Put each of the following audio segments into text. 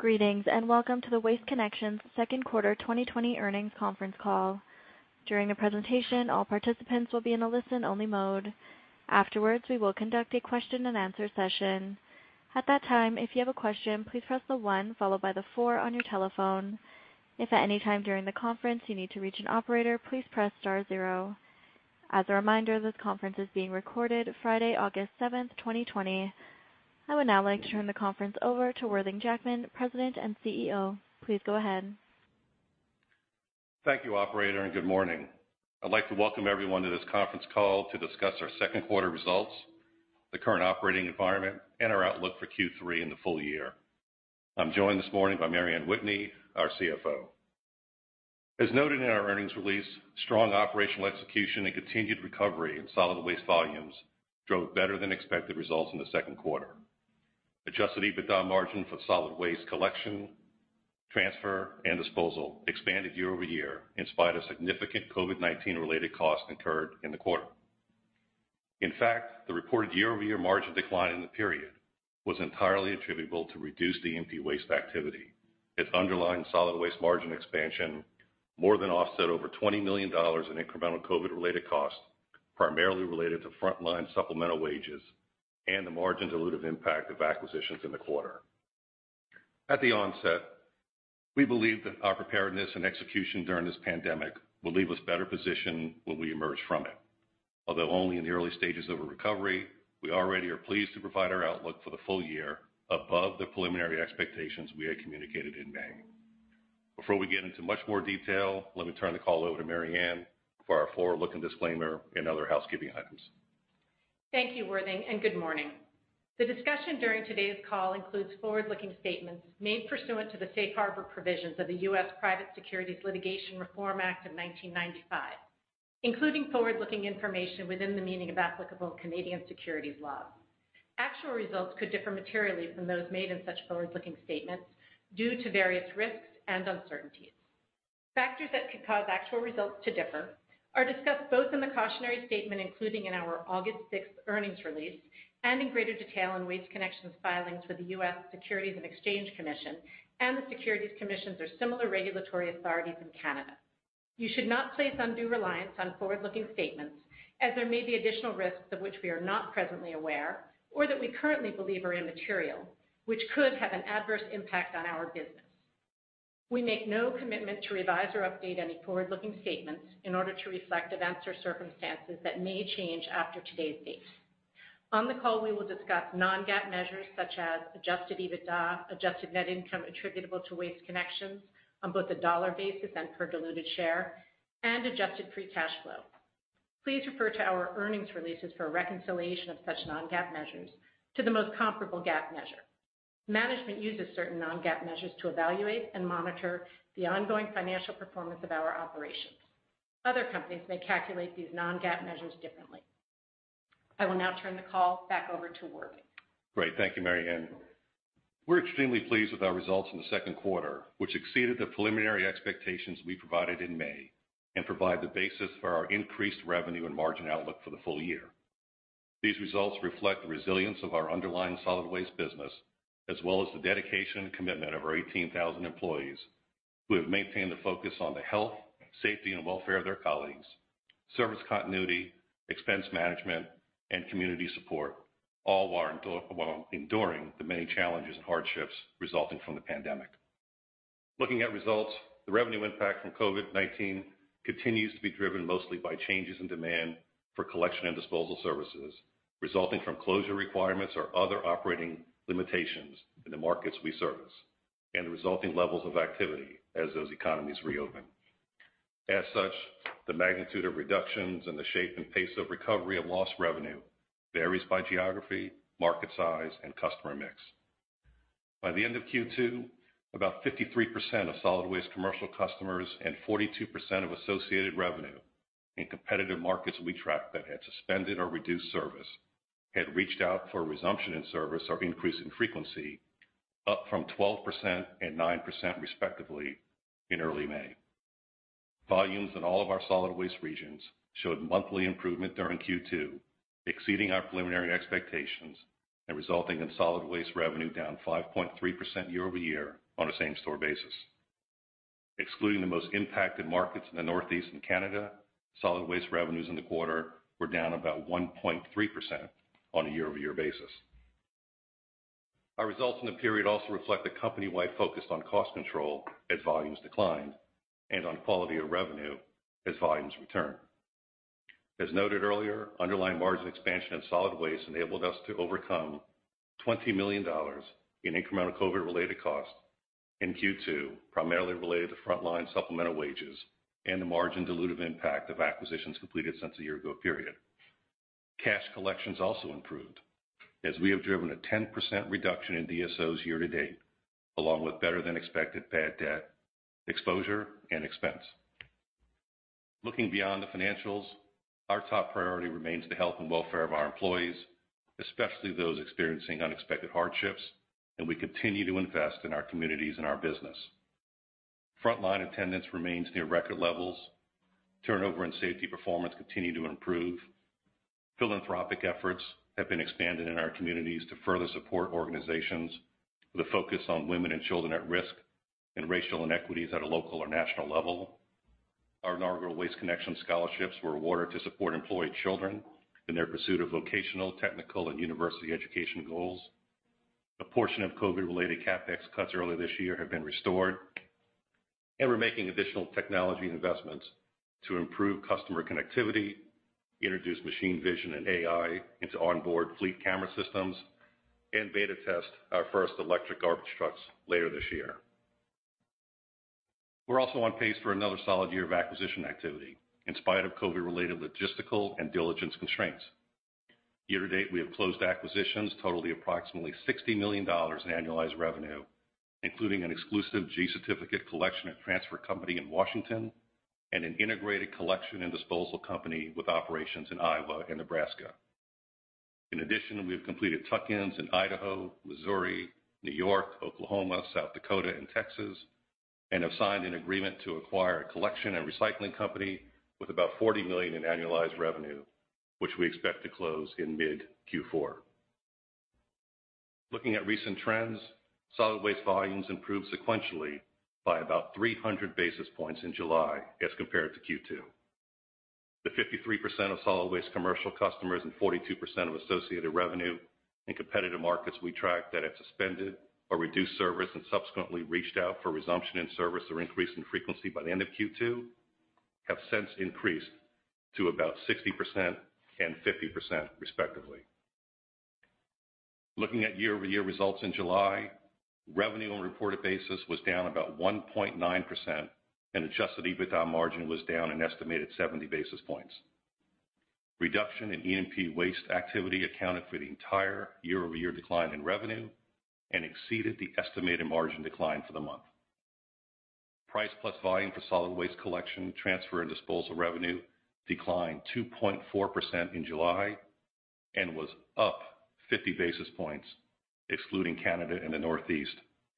Greetings, and welcome to the Waste Connections second quarter 2020 earnings conference call. I would now like to turn the conference over to Worthing Jackman, President and CEO. Please go ahead. Thank you, operator, and good morning. I'd like to welcome everyone to this conference call to discuss our second quarter results, the current operating environment, and our outlook for Q3 and the full year. I'm joined this morning by Mary Anne Whitney, our CFO. As noted in our earnings release, strong operational execution and continued recovery in solid waste volumes drove better than expected results in the second quarter. Adjusted EBITDA margin for solid waste collection, transfer, and disposal expanded year-over-year in spite of significant COVID-19 related costs incurred in the quarter. In fact, the reported year-over-year margin decline in the period was entirely attributable to reduced E&P waste activity. Its underlying solid waste margin expansion more than offset over $20 million in incremental COVID-related costs, primarily related to frontline supplemental wages and the margin dilutive impact of acquisitions in the quarter. At the onset, we believe that our preparedness and execution during this pandemic will leave us better positioned when we emerge from it. Although only in the early stages of a recovery, we already are pleased to provide our outlook for the full year above the preliminary expectations we had communicated in May. Before we get into much more detail, let me turn the call over to Mary Anne for our forward-looking disclaimer and other housekeeping items. Thank you, Worthing. Good morning. The discussion during today's call includes forward-looking statements made pursuant to the Safe Harbor Provisions of the U.S. Private Securities Litigation Reform Act of 1995, including forward-looking information within the meaning of applicable Canadian securities law. Actual results could differ materially from those made in such forward-looking statements due to various risks and uncertainties. Factors that could cause actual results to differ are discussed both in the cautionary statement, including in our August 6th earnings release, and in greater detail in Waste Connections filings with the U.S. Securities and Exchange Commission and the securities commissions or similar regulatory authorities in Canada. You should not place undue reliance on forward-looking statements, as there may be additional risks of which we are not presently aware or that we currently believe are immaterial, which could have an adverse impact on our business. We make no commitment to revise or update any forward-looking statements in order to reflect events or circumstances that may change after today's date. On the call, we will discuss non-GAAP measures such as adjusted EBITDA, adjusted net income attributable to Waste Connections on both a dollar basis and per diluted share, and adjusted free cash flow. Please refer to our earnings releases for a reconciliation of such non-GAAP measures to the most comparable GAAP measure. Management uses certain non-GAAP measures to evaluate and monitor the ongoing financial performance of our operations. Other companies may calculate these non-GAAP measures differently. I will now turn the call back over to Worthing. Great. Thank you, Mary Anne. We're extremely pleased with our results in the second quarter, which exceeded the preliminary expectations we provided in May and provide the basis for our increased revenue and margin outlook for the full year. These results reflect the resilience of our underlying solid waste business, as well as the dedication and commitment of our 18,000 employees who have maintained the focus on the health, safety, and welfare of their colleagues, service continuity, expense management, and community support, all while enduring the many challenges and hardships resulting from the pandemic. Looking at results, the revenue impact from COVID-19 continues to be driven mostly by changes in demand for collection and disposal services resulting from closure requirements or other operating limitations in the markets we service and the resulting levels of activity as those economies reopen. As such, the magnitude of reductions and the shape and pace of recovery of lost revenue varies by geography, market size, and customer mix. By the end of Q2, about 53% of solid waste commercial customers and 42% of associated revenue in competitive markets we track that had suspended or reduced service had reached out for resumption in service or increase in frequency, up from 12% and 9% respectively in early May. Volumes in all of our solid waste regions showed monthly improvement during Q2, exceeding our preliminary expectations and resulting in solid waste revenue down 5.3% year-over-year on a same-store basis. Excluding the most impacted markets in the Northeast and Canada, solid waste revenues in the quarter were down about 1.3% on a year-over-year basis. Our results in the period also reflect the company-wide focus on cost control as volumes declined and on quality of revenue as volumes return. As noted earlier, underlying margin expansion in solid waste enabled us to overcome $20 million in incremental COVID-related costs in Q2, primarily related to frontline supplemental wages and the margin dilutive impact of acquisitions completed since the year ago period. Cash collections also improved as we have driven a 10% reduction in DSOs year to date, along with better than expected bad debt exposure and expense. Looking beyond the financials, our top priority remains the health and welfare of our employees, especially those experiencing unexpected hardships, and we continue to invest in our communities and our business. Frontline attendance remains near record levels. Turnover and safety performance continue to improve. Philanthropic efforts have been expanded in our communities to further support organizations with a focus on women and children at risk and racial inequities at a local or national level. Our inaugural Waste Connections scholarships were awarded to support employee children in their pursuit of vocational, technical, and university education goals. A portion of COVID-related CapEx cuts earlier this year have been restored, and we're making additional technology investments to improve customer connectivity, introduce machine vision and AI into onboard fleet camera systems, and beta test our first electric garbage trucks later this year. We're also on pace for another solid year of acquisition activity, in spite of COVID-related logistical and diligence constraints. Year-to-date, we have closed acquisitions totaling approximately $60 million in annualized revenue, including an exclusive G certificate collection and transfer company in Washington and an integrated collection and disposal company with operations in Iowa and Nebraska. We have completed tuck-ins in Idaho, Missouri, New York, Oklahoma, South Dakota, and Texas, and have signed an agreement to acquire a collection and recycling company with about $40 million in annualized revenue, which we expect to close in mid Q4. Looking at recent trends, solid waste volumes improved sequentially by about 300 basis points in July as compared to Q2. The 53% of solid waste commercial customers and 42% of associated revenue in competitive markets we track that have suspended or reduced service and subsequently reached out for resumption in service or increase in frequency by the end of Q2, have since increased to about 60% and 50%, respectively. Looking at year-over-year results in July, revenue on a reported basis was down about 1.9%, and adjusted EBITDA margin was down an estimated 70 basis points. Reduction in E&P waste activity accounted for the entire year-over-year decline in revenue and exceeded the estimated margin decline for the month. Price plus volume for solid waste collection, transfer, and disposal revenue declined 2.4% in July and was up 50 basis points, excluding Canada and the Northeast,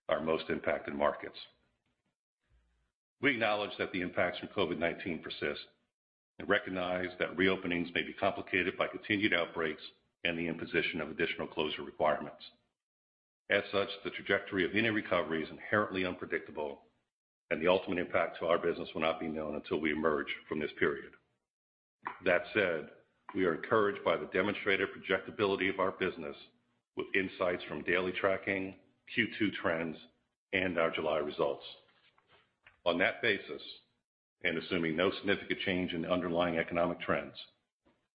our most impacted markets. We acknowledge that the impacts from COVID-19 persist and recognize that reopenings may be complicated by continued outbreaks and the imposition of additional closure requirements. As such, the trajectory of any recovery is inherently unpredictable, and the ultimate impact to our business will not be known until we emerge from this period. That said, we are encouraged by the demonstrated projectability of our business with insights from daily tracking, Q2 trends, and our July results. On that basis, and assuming no significant change in the underlying economic trends,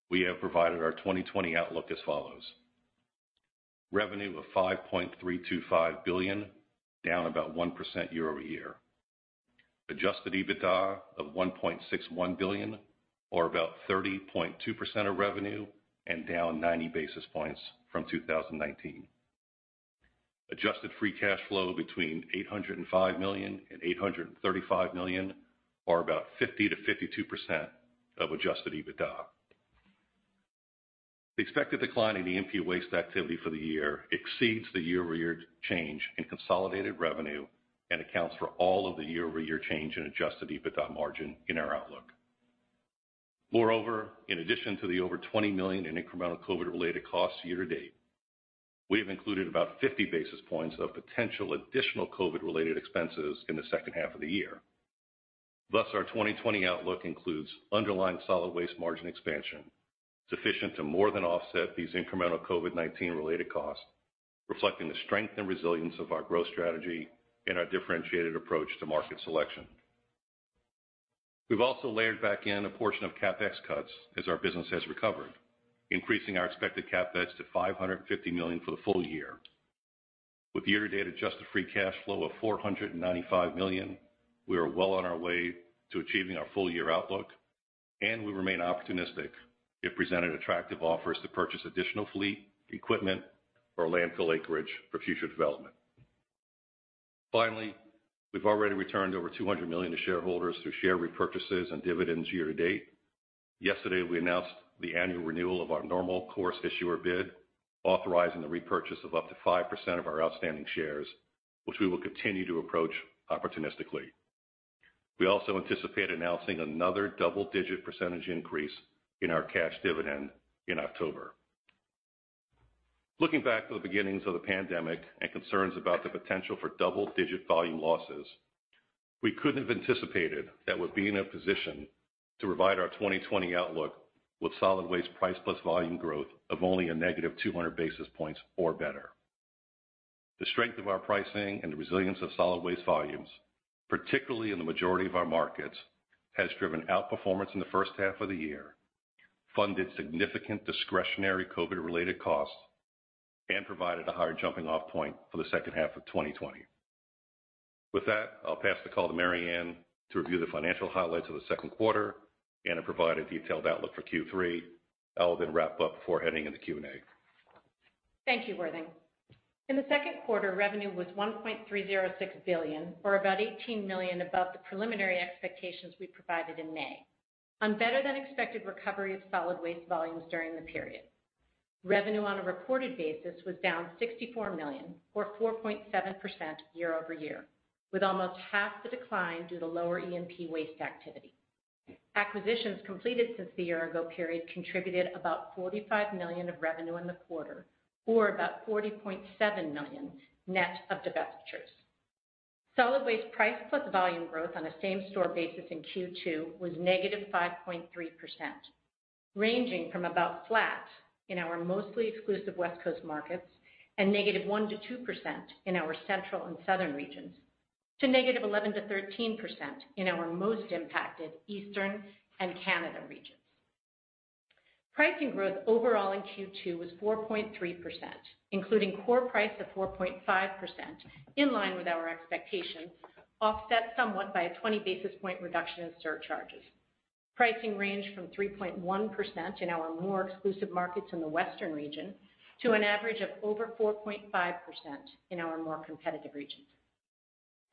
we have provided our 2020 outlook as follows. Revenue of $5.325 billion, down about 1% year-over-year. Adjusted EBITDA of $1.61 billion, or about 30.2% of revenue and down 90 basis points from 2019. Adjusted free cash flow between $805 million and $835 million, or about 50%-52% of adjusted EBITDA. The expected decline in the E&P waste activity for the year exceeds the year-over-year change in consolidated revenue and accounts for all of the year-over-year change in adjusted EBITDA margin in our outlook. Moreover, in addition to the over $20 million in incremental COVID-related costs year-to-date, we have included about 50 basis points of potential additional COVID-related expenses in the second half of the year. Thus, our 2020 outlook includes underlying solid waste margin expansion, sufficient to more than offset these incremental COVID-19-related costs, reflecting the strength and resilience of our growth strategy and our differentiated approach to market selection. We've also layered back in a portion of CapEx cuts as our business has recovered, increasing our expected CapEx to $550 million for the full year. With year-to-date adjusted free cash flow of $495 million, we are well on our way to achieving our full-year outlook, and we remain opportunistic if presented attractive offers to purchase additional fleet, equipment, or landfill acreage for future development. Finally, we've already returned over $200 million to shareholders through share repurchases and dividends year-to-date. Yesterday, we announced the annual renewal of our normal course issuer bid, authorizing the repurchase of up to 5% of our outstanding shares, which we will continue to approach opportunistically. We also anticipate announcing another double-digit percentage increase in our cash dividend in October. Looking back to the beginnings of the pandemic and concerns about the potential for double-digit volume losses, we couldn't have anticipated that we'd be in a position to provide our 2020 outlook with solid waste price plus volume growth of only a -200 basis points or better. The strength of our pricing and the resilience of solid waste volumes, particularly in the majority of our markets, has driven outperformance in the first half of the year, funded significant discretionary COVID-related costs, and provided a higher jumping-off point for the second half of 2020. With that, I'll pass the call to Mary Anne to review the financial highlights of the second quarter and to provide a detailed outlook for Q3. I will then wrap up before heading into Q&A. Thank you, Worthing. In the second quarter, revenue was $1.306 billion, or about $18 million above the preliminary expectations we provided in May, on better-than-expected recovery of solid waste volumes during the period. Revenue on a reported basis was down $64 million, or 4.7% year-over-year, with almost half the decline due to lower E&P waste activity. Acquisitions completed since the year ago period contributed about $45 million of revenue in the quarter, or about $40.7 million net of divestitures. Solid waste price plus volume growth on a same-store basis in Q2 was -5.3%, ranging from about flat in our mostly exclusive West Coast markets and negative 1%-2% in our Central and Southern regions, to negative 11%-13% in our most impacted Eastern and Canada regions. Pricing growth overall in Q2 was 4.3%, including core price of 4.5%, in line with our expectations, offset somewhat by a 20 basis point reduction in surcharges. Pricing ranged from 3.1% in our more exclusive markets in the Western region to an average of over 4.5% in our more competitive regions.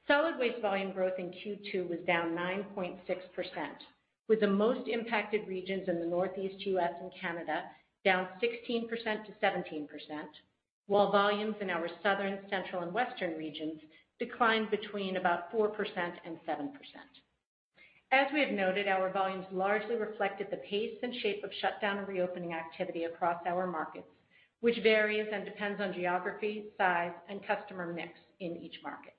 Solid waste volume growth in Q2 was down 9.6%, with the most impacted regions in the Northeast, U.S., and Canada, down 16%-17%, while volumes in our Southern, Central, and Western regions declined between about 4% and 7%. As we have noted, our volumes largely reflected the pace and shape of shutdown and reopening activity across our markets, which varies and depends on geography, size, and customer mix in each market.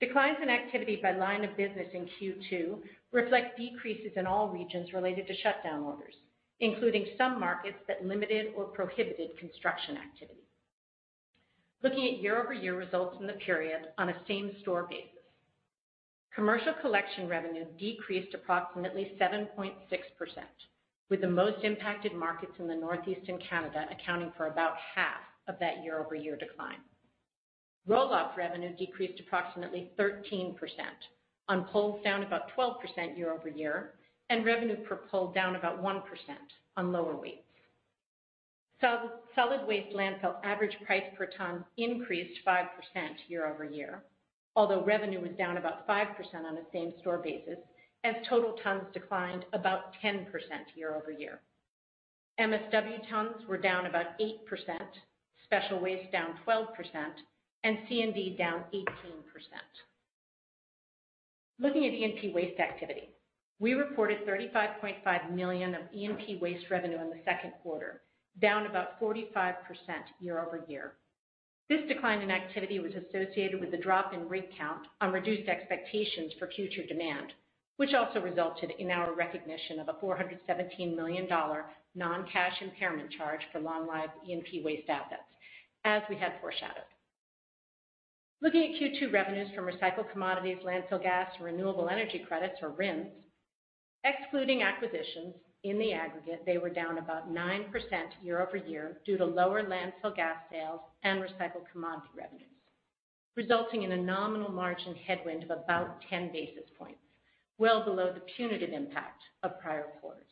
Declines in activity by line of business in Q2 reflect decreases in all regions related to shutdown orders, including some markets that limited or prohibited construction activity. Looking at year-over-year results in the period on a same-store basis. Commercial collection revenue decreased approximately 7.6%, with the most impacted markets in the Northeast and Canada accounting for about half of that year-over-year decline. Roll-off revenue decreased approximately 13%, on pulls down about 12% year-over-year, and revenue per pull down about 1% on lower weights. Solid waste landfill average price per ton increased 5% year-over-year, although revenue was down about 5% on a same-store basis as total tons declined about 10% year-over-year. MSW tons were down about 8%, special waste down 12%, and C&D down 18%. Looking at E&P waste activity, we reported $35.5 million of E&P waste revenue in the second quarter, down about 45% year-over-year. This decline in activity was associated with a drop in rig count on reduced expectations for future demand, which also resulted in our recognition of a $417 million non-cash impairment charge for long-lived E&P waste assets, as we had foreshadowed. Looking at Q2 revenues from recycled commodities, landfill gas, and renewable energy credits, or RINs, excluding acquisitions, in the aggregate, they were down about 9% year-over-year due to lower landfill gas sales and recycled commodity revenues, resulting in a nominal margin headwind of about 10 basis points, well below the punitive impact of prior quarters.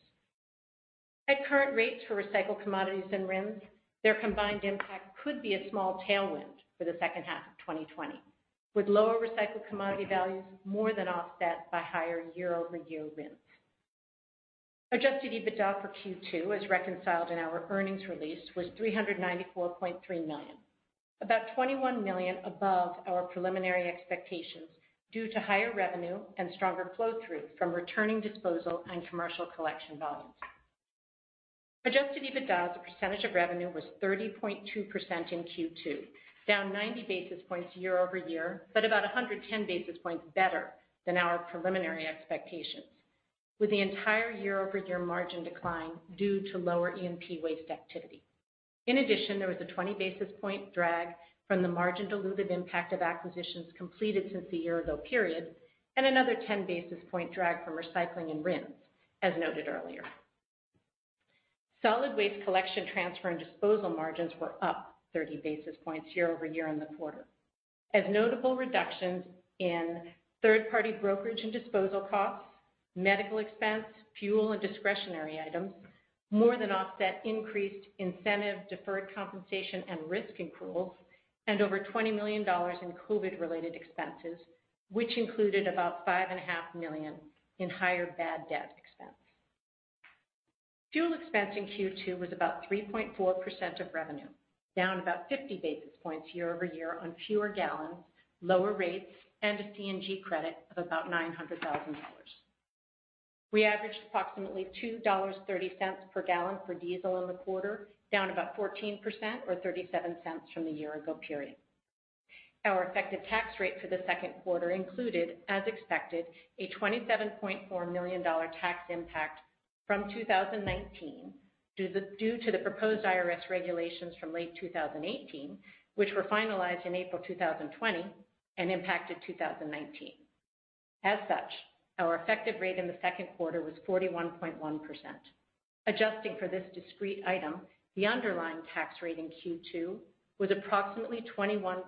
At current rates for recycled commodities and RINs, their combined impact could be a small tailwind for the second half of 2020, with lower recycled commodity values more than offset by higher year-over-year RINs. Adjusted EBITDA for Q2, as reconciled in our earnings release, was $394.3 million, about $21 million above our preliminary expectations due to higher revenue and stronger flow-through from returning disposal and commercial collection volumes. Adjusted EBITDA as a percentage of revenue was 30.2% in Q2, down 90 basis points year-over-year, but about 110 basis points better than our preliminary expectations, with the entire year-over-year margin decline due to lower E&P waste activity. In addition, there was a 20 basis point drag from the margin dilutive impact of acquisitions completed since the year ago period, and another 10 basis point drag from recycling and RINs, as noted earlier. Solid waste collection transfer and disposal margins were up 30 basis points year-over-year on the quarter. As notable reductions in third-party brokerage and disposal costs, medical expense, fuel and discretionary items more than offset increased incentive deferred compensation and risk accruals and over $20 million in COVID-related expenses, which included about $5.5 million in higher bad debt expense. Fuel expense in Q2 was about 3.4% of revenue, down about 50 basis points year-over-year on fewer gallons, lower rates, and a CNG credit of about $900,000. We averaged approximately $2.30 per gallon for diesel in the quarter, down about 14%, or $0.37 from the year ago period. Our effective tax rate for the second quarter included, as expected, a $27.4 million tax impact from 2019 due to the proposed IRS regulations from late 2018, which were finalized in April 2020 and impacted 2019. As such, our effective rate in the second quarter was 41.1%. Adjusting for this discrete item, the underlying tax rate in Q2 was approximately 21.5%,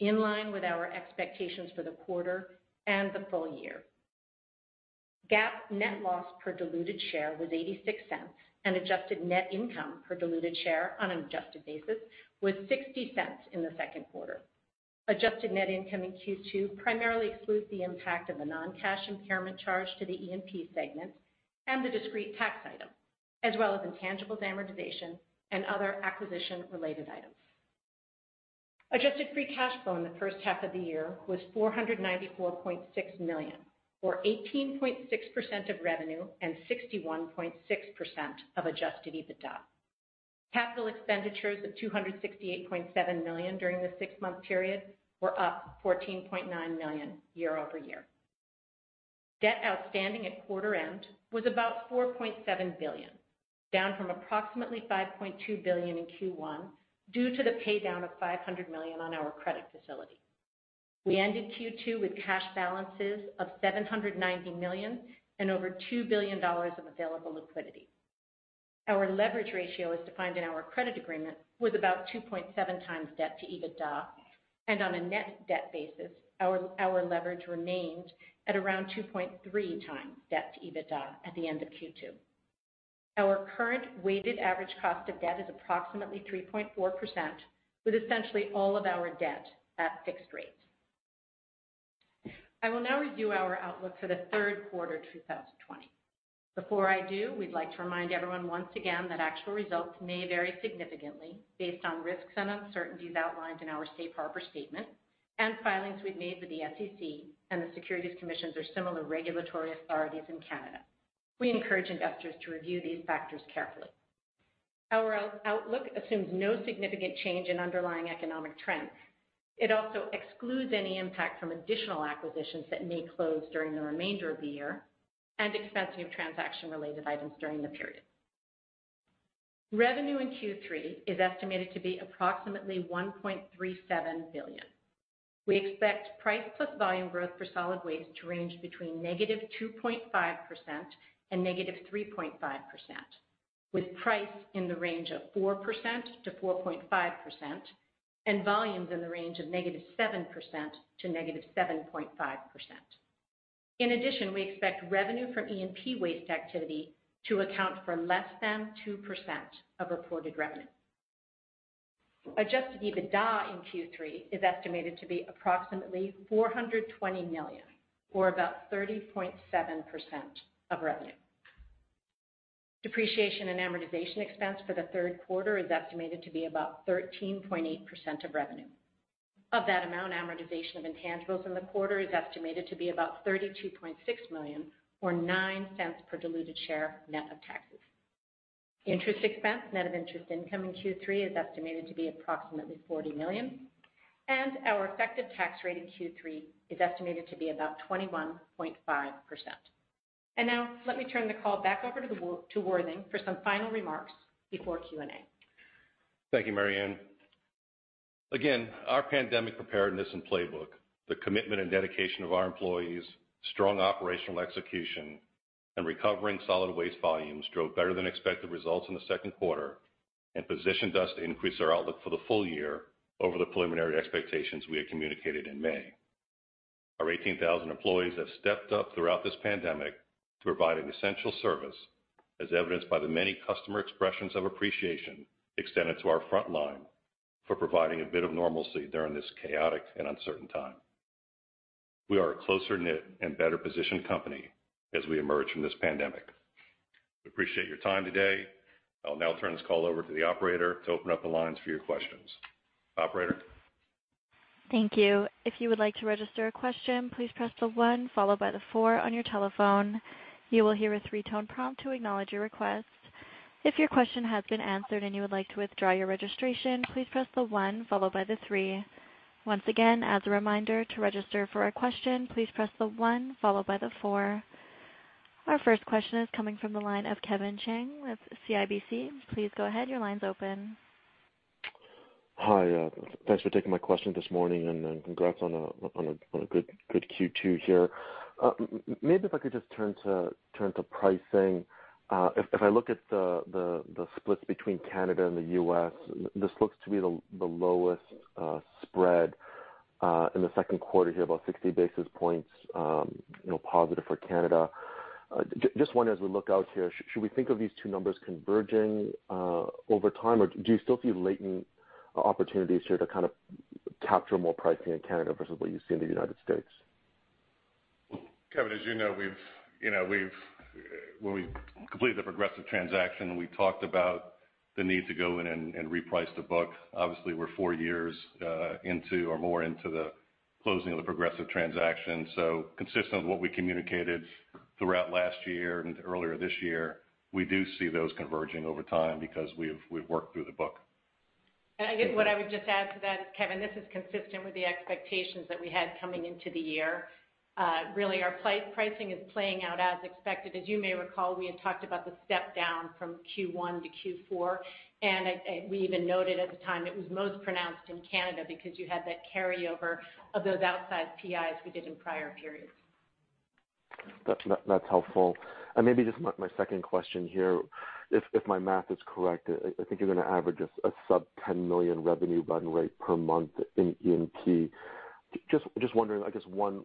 in line with our expectations for the quarter and the full year. GAAP net loss per diluted share was $0.86, and adjusted net income per diluted share on an adjusted basis was $0.60 in the second quarter. Adjusted net income in Q2 primarily excludes the impact of a non-cash impairment charge to the E&P segment and the discrete tax item, as well as intangibles amortization and other acquisition-related items. Adjusted free cash flow in the first half of the year was $494.6 million, or 18.6% of revenue and 61.6% of adjusted EBITDA. Capital expenditures of $268.7 million during the six-month period were up $14.9 million year-over-year. Debt outstanding at quarter end was about $4.7 billion, down from approximately $5.2 billion in Q1 due to the paydown of $500 million on our credit facility. We ended Q2 with cash balances of $790 million and over $2 billion of available liquidity. Our leverage ratio, as defined in our credit agreement, was about 2.7x debt to EBITDA. On a net debt basis, our leverage remained at around 2.3x debt to EBITDA at the end of Q2. Our current weighted average cost of debt is approximately 3.4%, with essentially all of our debt at fixed rates. I will now review our outlook for the third quarter 2020. Before I do, we'd like to remind everyone once again that actual results may vary significantly based on risks and uncertainties outlined in our safe harbor statement and filings we've made with the SEC and the securities commissions or similar regulatory authorities in Canada. We encourage investors to review these factors carefully. Our outlook assumes no significant change in underlying economic trends. It also excludes any impact from additional acquisitions that may close during the remainder of the year and expensing of transaction-related items during the period. Revenue in Q3 is estimated to be approximately $1.37 billion. We expect price plus volume growth for solid waste to range between negative 2.5% and negative 3.5%, with price in the range of 4%-4.5% and volumes in the range of -7% to -7.5%. In addition, we expect revenue from E&P waste activity to account for less than 2% of reported revenue. Adjusted EBITDA in Q3 is estimated to be approximately $420 million or about 30.7% of revenue. Depreciation and amortization expense for the third quarter is estimated to be about 13.8% of revenue. Of that amount, amortization of intangibles in the quarter is estimated to be about $32.6 million or $0.09 per diluted share net of taxes. Interest expense net of interest income in Q3 is estimated to be approximately $40 million, and our effective tax rate in Q3 is estimated to be about 21.5%. Now let me turn the call back over to Worthing for some final remarks before Q&A. Thank you, Mary Anne. Again, our pandemic preparedness and playbook, the commitment and dedication of our employees, strong operational execution, and recovering solid waste volumes drove better than expected results in the second quarter and positioned us to increase our outlook for the full year over the preliminary expectations we had communicated in May. Our 18,000 employees have stepped up throughout this pandemic to provide an essential service, as evidenced by the many customer expressions of appreciation extended to our front line for providing a bit of normalcy during this chaotic and uncertain time. We are a closer-knit and better-positioned company as we emerge from this pandemic. We appreciate your time today. I will now turn this call over to the operator to open up the lines for your questions. Operator? Thank you. If you would like to register a question, please press the one followed by the four on your telephone. You will hear a three-tone prompt to acknowledge your request. If your question has been answered and you would like to withdraw your registration, please press the one followed by the three. Once again, as a reminder, to register for a question, please press the one followed by the four. Our first question is coming from the line of Kevin Chiang with CIBC. Please go ahead, your line's open. Hi, thanks for taking my question this morning and congrats on a good Q2 here. Maybe if I could just turn to pricing. If I look at the splits between Canada and the U.S., this looks to be the lowest spread, in the second quarter here, about 60 basis points positive for Canada. Just wondering, as we look out here, should we think of these two numbers converging over time, or do you still see latent opportunities here to kind of capture more pricing in Canada versus what you see in the United States? Kevin, as you know, when we completed the Progressive transaction, we talked about the need to go in and reprice the book. Obviously, we're four years or more into the closing of the Progressive transaction. Consistent with what we communicated throughout last year and earlier this year, we do see those converging over time because we've worked through the book. I guess what I would just add to that, Kevin, this is consistent with the expectations that we had coming into the year. Really, our pricing is playing out as expected. As you may recall, we had talked about the step-down from Q1 to Q4, and we even noted at the time it was most pronounced in Canada because you had that carryover of those outsized PIs we did in prior periods. That's helpful. Maybe just my second question here. If my math is correct, I think you're going to average a sub $10 million revenue run rate per month in E&P. Just wondering, I guess, one,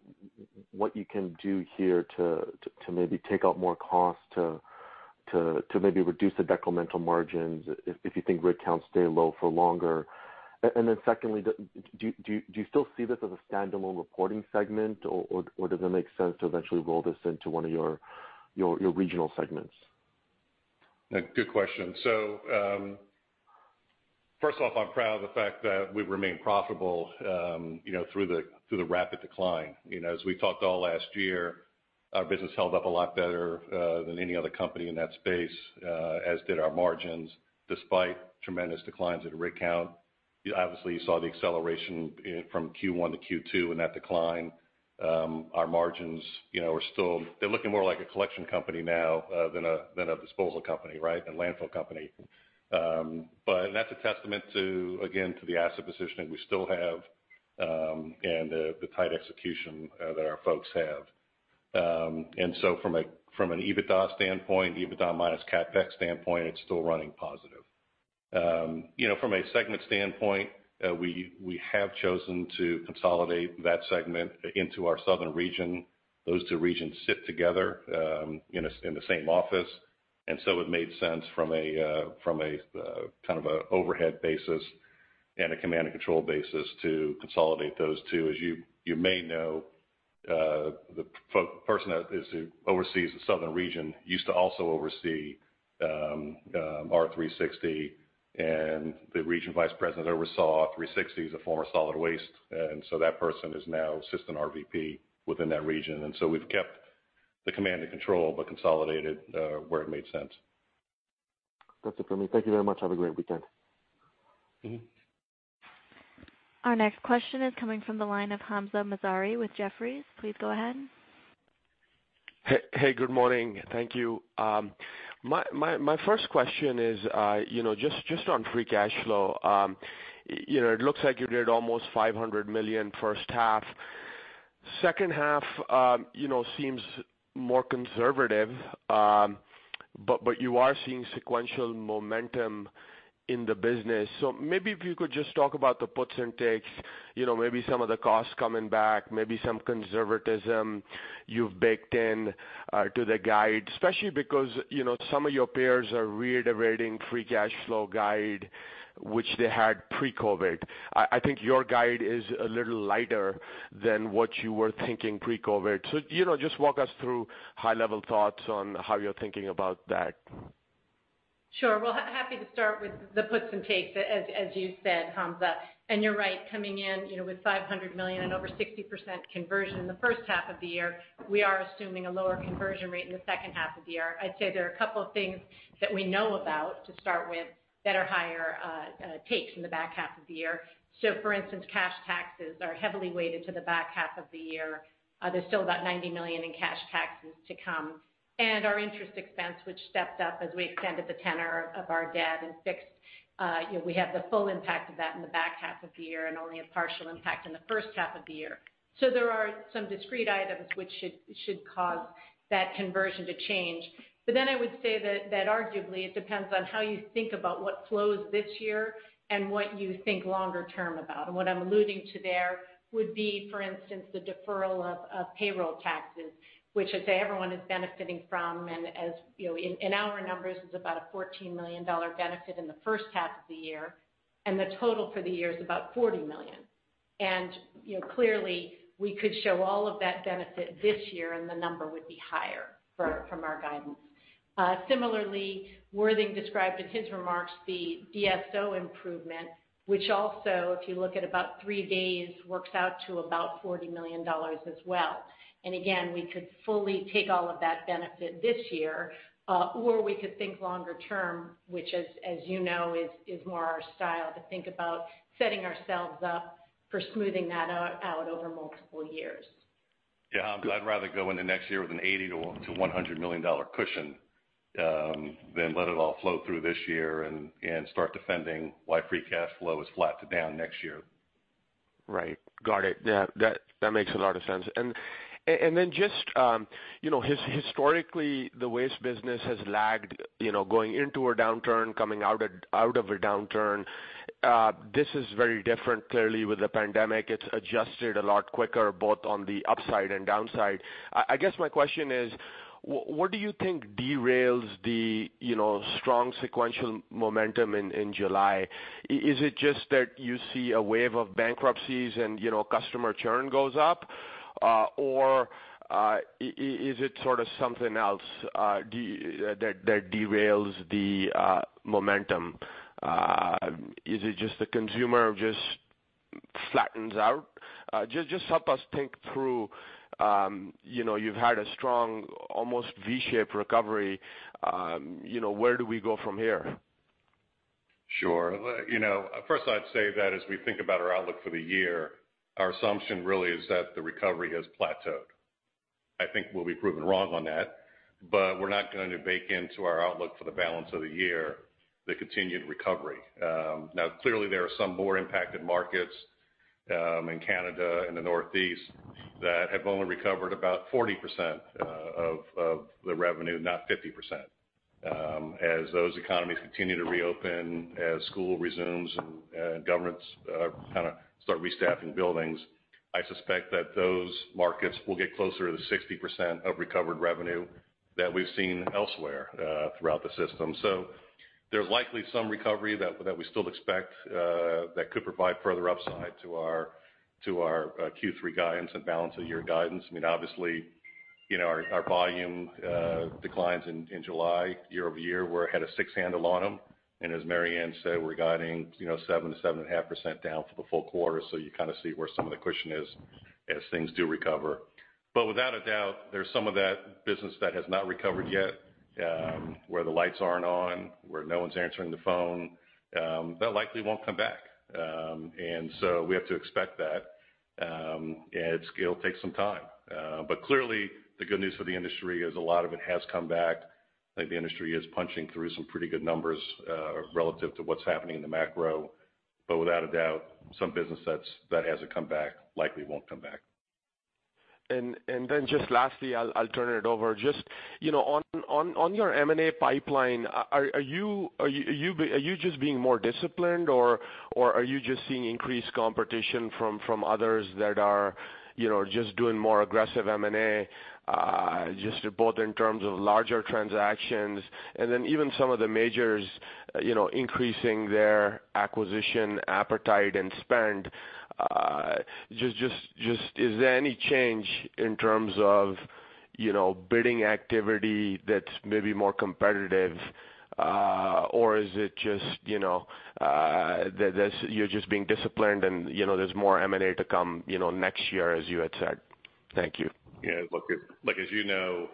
what you can do here to maybe take out more cost to maybe reduce the decremental margins if you think rig counts stay low for longer. Then secondly, do you still see this as a standalone reporting segment, or does it make sense to eventually roll this into one of your regional segments? Good question. First off, I'm proud of the fact that we've remained profitable through the rapid decline. As we talked all last year, our business held up a lot better than any other company in that space, as did our margins, despite tremendous declines in rig count. Obviously, you saw the acceleration from Q1 to Q2 in that decline. Our margins, they're looking more like a collection company now, than a disposal company, and landfill company. That's a testament to the asset positioning we still have, and the tight execution that our folks have. From an EBITDA standpoint, EBITDA minus CapEx standpoint, it's still running positive. From a segment standpoint, we have chosen to consolidate that segment into our southern region. Those two regions sit together in the same office. It made sense from a kind of overhead basis and a command and control basis to consolidate those two. As you may know, the person that oversees the southern region used to also oversee our R360. The region vice president that oversaw R360 is a former solid waste. That person is now assistant RVP within that region. We've kept the command and control. Consolidated where it made sense. That's it for me. Thank you very much. Have a great weekend. Our next question is coming from the line of Hamzah Mazari with Jefferies. Please go ahead. Hey. Good morning. Thank you. My first question is, just on free cash flow. It looks like you did almost $500 million first half. Second half seems more conservative. You are seeing sequential momentum in the business. Maybe if you could just talk about the puts and takes, maybe some of the costs coming back, maybe some conservatism you've baked in to the guide, especially because some of your peers are reiterating free cash flow guide, which they had pre-COVID. I think your guide is a little lighter than what you were thinking pre-COVID. Just walk us through high-level thoughts on how you're thinking about that. Sure. Happy to start with the puts and takes, as you said, Hamzah. You're right, coming in with $500 million and over 60% conversion in the first half of the year, we are assuming a lower conversion rate in the second half of the year. I'd say there are a couple of things that we know about to start with, that are higher takes in the back half of the year. For instance, cash taxes are heavily weighted to the back half of the year. There's still about $90 million in cash taxes to come. Our interest expense, which stepped up as we extended the tenor of our debt and fixed, we have the full impact of that in the back half of the year and only a partial impact in the first half of the year. There are some discrete items which should cause that conversion to change. I would say that arguably, it depends on how you think about what flows this year and what you think longer term about. What I'm alluding to there would be, for instance, the deferral of payroll taxes, which I'd say everyone is benefiting from. In our numbers is about a $14 million benefit in the first half of the year, and the total for the year is about $40 million. Clearly, we could show all of that benefit this year, and the number would be higher from our guidance. Similarly, Worthing described in his remarks the DSO improvement, which also, if you look at about three days, works out to about $40 million as well. Again, we could fully take all of that benefit this year, or we could think longer term, which as you know, is more our style to think about setting ourselves up for smoothing that out over multiple years. Yeah, Hamzah, I'd rather go into next year with an $80 million-$100 million cushion, than let it all flow through this year and start defending why free cash flow is flat to down next year. Right. Got it. Yeah, that makes a lot of sense. Just, historically, the waste business has lagged, going into a downturn, coming out of a downturn. This is very different, clearly with the pandemic. It's adjusted a lot quicker, both on the upside and downside. I guess my question is: What do you think derails the strong sequential momentum in July? Is it just that you see a wave of bankruptcies and customer churn goes up? Is it sort of something else that derails the momentum? Is it just the consumer just flattens out? Just help us think through, you've had a strong, almost V-shaped recovery, where do we go from here? Sure. First I'd say that as we think about our outlook for the year, our assumption really is that the recovery has plateaued. I think we'll be proven wrong on that, but we're not going to bake into our outlook for the balance of the year, the continued recovery. Now, clearly, there are some more impacted markets, in Canada and the Northeast, that have only recovered about 40% of the revenue, not 50%. As those economies continue to reopen, as school resumes and governments kind of start re-staffing buildings, I suspect that those markets will get closer to the 60% of recovered revenue that we've seen elsewhere throughout the system. There's likely some recovery that we still expect that could provide further upside to our Q3 guidance and balance of year guidance. Our volume declines in July year-over-year were at a six handle on them, and as Mary Anne said, we're guiding 7%-7.5% down for the full quarter, you kind of see where some of the cushion is as things do recover. Without a doubt, there's some of that business that has not recovered yet, where the lights aren't on, where no one's answering the phone. That likely won't come back. We have to expect that, it'll take some time. Clearly the good news for the industry is a lot of it has come back. I think the industry is punching through some pretty good numbers relative to what's happening in the macro. Without a doubt, some business that hasn't come back likely won't come back. Just lastly, I'll turn it over. Just on your M&A pipeline, are you just being more disciplined or are you just seeing increased competition from others that are just doing more aggressive M&A, just both in terms of larger transactions and then even some of the majors increasing their acquisition appetite and spend? Is there any change in terms of bidding activity that's maybe more competitive? Is it just that you're just being disciplined and there's more M&A to come next year as you had said? Thank you. Yeah. Look, as you know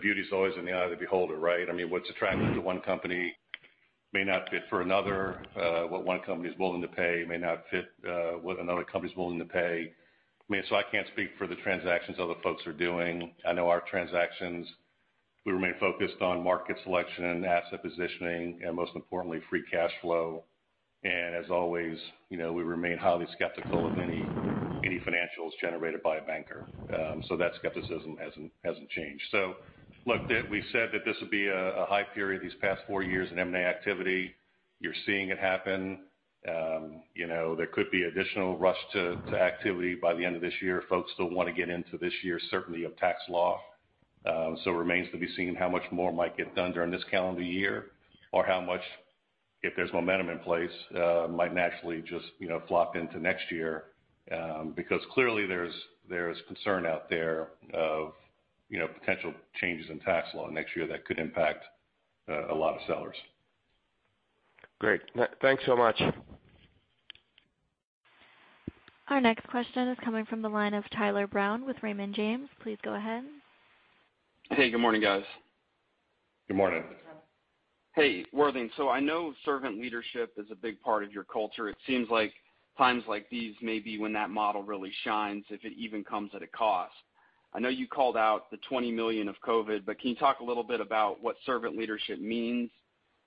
beauty's always in the eye of the beholder, right? What's attractive to one company may not fit for another. What one company's willing to pay may not fit what another company's willing to pay. I can't speak for the transactions other folks are doing. I know our transactions, we remain focused on market selection and asset positioning, and most importantly, free cash flow. As always, we remain highly skeptical of any financials generated by a banker. That skepticism hasn't changed. Look, we said that this would be a high period, these past four years in M&A activity. You're seeing it happen. There could be additional rush to activity by the end of this year if folks still want to get into this year, certainty of tax law. It remains to be seen how much more might get done during this calendar year or how much, if there's momentum in place, might naturally just flop into next year. Clearly there's concern out there of potential changes in tax law next year that could impact a lot of sellers. Great. Thanks so much. Our next question is coming from the line of Tyler Brown with Raymond James. Please go ahead. Hey, good morning, guys. Good morning. Hey, Worthing. I know servant leadership is a big part of your culture. It seems like times like these may be when that model really shines, if it even comes at a cost. I know you called out the $20 million of COVID, but can you talk a little bit about what servant leadership means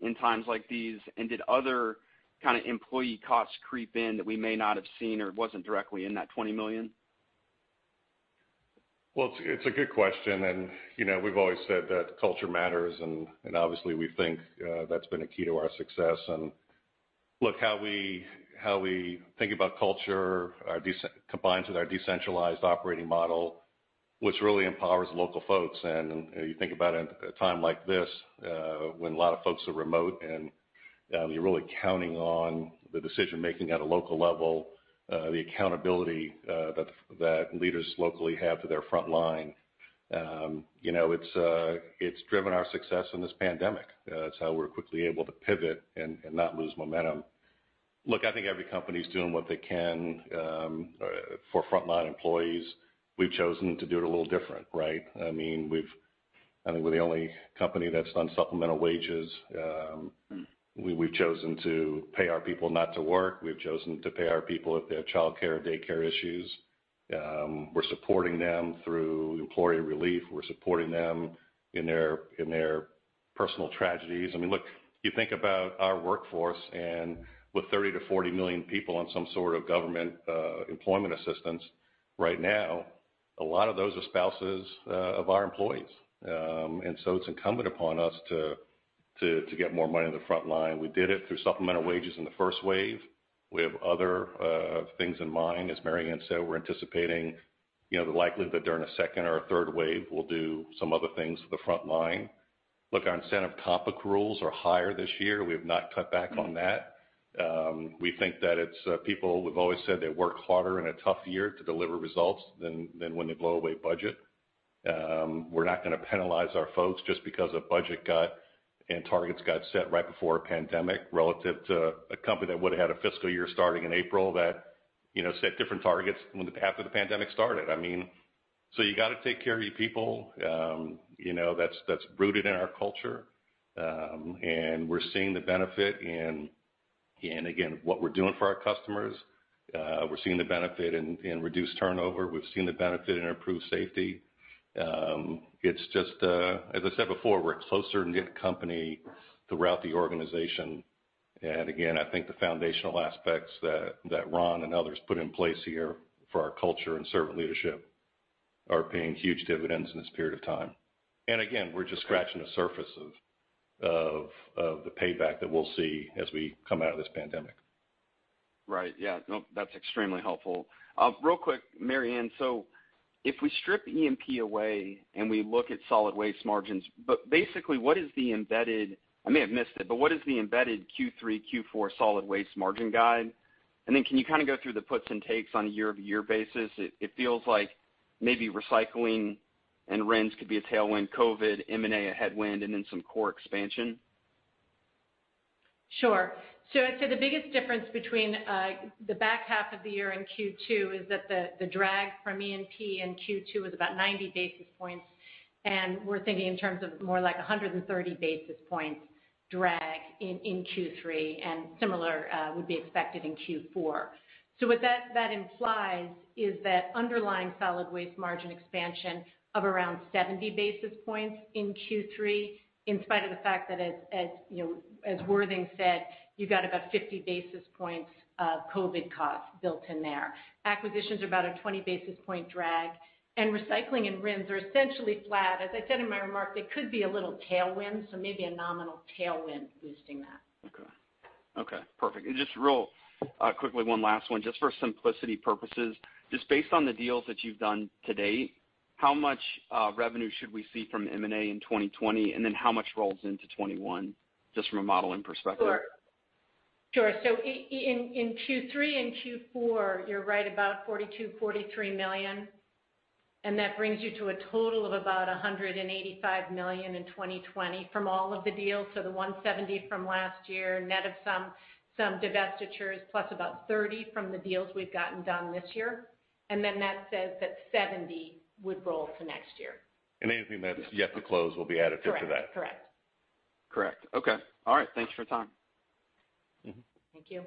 in times like these, and did other kind of employee costs creep in that we may not have seen or wasn't directly in that $20 million? It's a good question, and we've always said that culture matters, and obviously we think that's been a key to our success. Look how we think about culture combines with our decentralized operating model, which really empowers local folks. You think about at a time like this, when a lot of folks are remote and you're really counting on the decision making at a local level, the accountability that leaders locally have to their front line. It's driven our success in this pandemic. That's how we're quickly able to pivot and not lose momentum. Look, I think every company's doing what they can for frontline employees. We've chosen to do it a little different, right? I think we're the only company that's done supplemental wages. We've chosen to pay our people not to work. We've chosen to pay our people if they have childcare or daycare issues. We're supporting them through employee relief. We're supporting them in their personal tragedies. Look, you think about our workforce and with 30 million-40 million people on some sort of government employment assistance right now, a lot of those are spouses of our employees. It's incumbent upon us to get more money on the front line. We did it through supplemental wages in the first wave. We have other things in mind. As Mary Anne said, we're anticipating the likelihood that during a second or a third wave, we'll do some other things for the front line. Look, our incentive top accruals are higher this year. We have not cut back on that. We think that it's people who've always said they work harder in a tough year to deliver results than when they blow away budget. We're not gonna penalize our folks just because a budget got and targets got set right before a pandemic relative to a company that would've had a fiscal year starting in April that set different targets after the pandemic started. You got to take care of your people. That's rooted in our culture. We're seeing the benefit in, again, what we're doing for our customers. We're seeing the benefit in reduced turnover. We've seen the benefit in improved safety. It's just, as I said before, we're a closer knit company throughout the organization. Again, I think the foundational aspects that Ron and others put in place here for our culture and servant leadership are paying huge dividends in this period of time. Again, we're just scratching the surface of the payback that we'll see as we come out of this pandemic. Right. Yeah. No, that's extremely helpful. Real quick, Mary Anne. If we strip E&P away and we look at solid waste margins, basically, what is the embedded, I may have missed it, but what is the embedded Q3, Q4 solid waste margin guide? Can you kind of go through the puts and takes on a year-over-year basis? It feels like maybe recycling and RINs could be a tailwind, COVID, M&A a headwind, and then some core expansion. Sure. I'd say the biggest difference between the back half of the year and Q2 is that the drag from E&P in Q2 was about 90 basis points, and we're thinking in terms of more like 130 basis points drag in Q3 and similar would be expected in Q4. What that implies is that underlying solid waste margin expansion of around 70 basis points in Q3, in spite of the fact that, as Worthing said, you got about 50 basis points of COVID costs built in there. Acquisitions are about a 20 basis point drag, and recycling and RINs are essentially flat. As I said in my remarks, they could be a little tailwind, so maybe a nominal tailwind boosting that. Okay. Perfect. Just real quickly, one last one, just for simplicity purposes. Just based on the deals that you've done to date, how much revenue should we see from M&A in 2020? How much rolls into 2021? Just from a modeling perspective. Sure. In Q3 and Q4, you're right about $42 million-$43 million, and that brings you to a total of about $185 million in 2020 from all of the deals. The $170 from last year, net of some divestitures, plus about $30 million from the deals we've gotten done this year. That says that $70 million would roll to next year. Anything that's yet to close will be additive to that. Correct. Correct. Okay. All right. Thanks for your time. Thank you.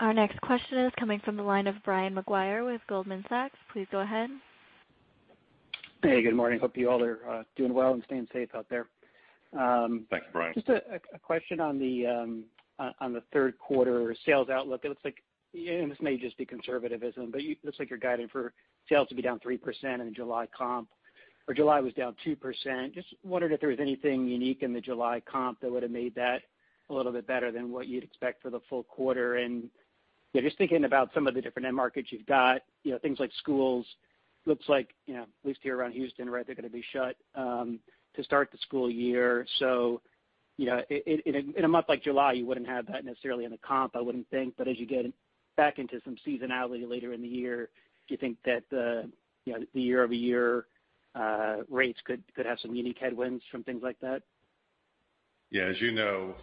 Our next question is coming from the line of Brian Maguire with Goldman Sachs. Please go ahead. Hey, good morning. Hope you all are doing well and staying safe out there. Thanks, Brian. Just a question on the third quarter sales outlook. It looks like, and this may just be conservatism, but it looks like you're guiding for sales to be down 3% in the July comp, or July was down 2%. Just wondered if there was anything unique in the July comp that would have made that a little bit better than what you'd expect for the full quarter. Just thinking about some of the different end markets you've got, things like schools, looks like, at least here around Houston, they're going to be shut to start the school year. In a month like July, you wouldn't have that necessarily in the comp, I wouldn't think. As you get back into some seasonality later in the year, do you think that the year-over-year rates could have some unique headwinds from things like that? Yeah. As you know,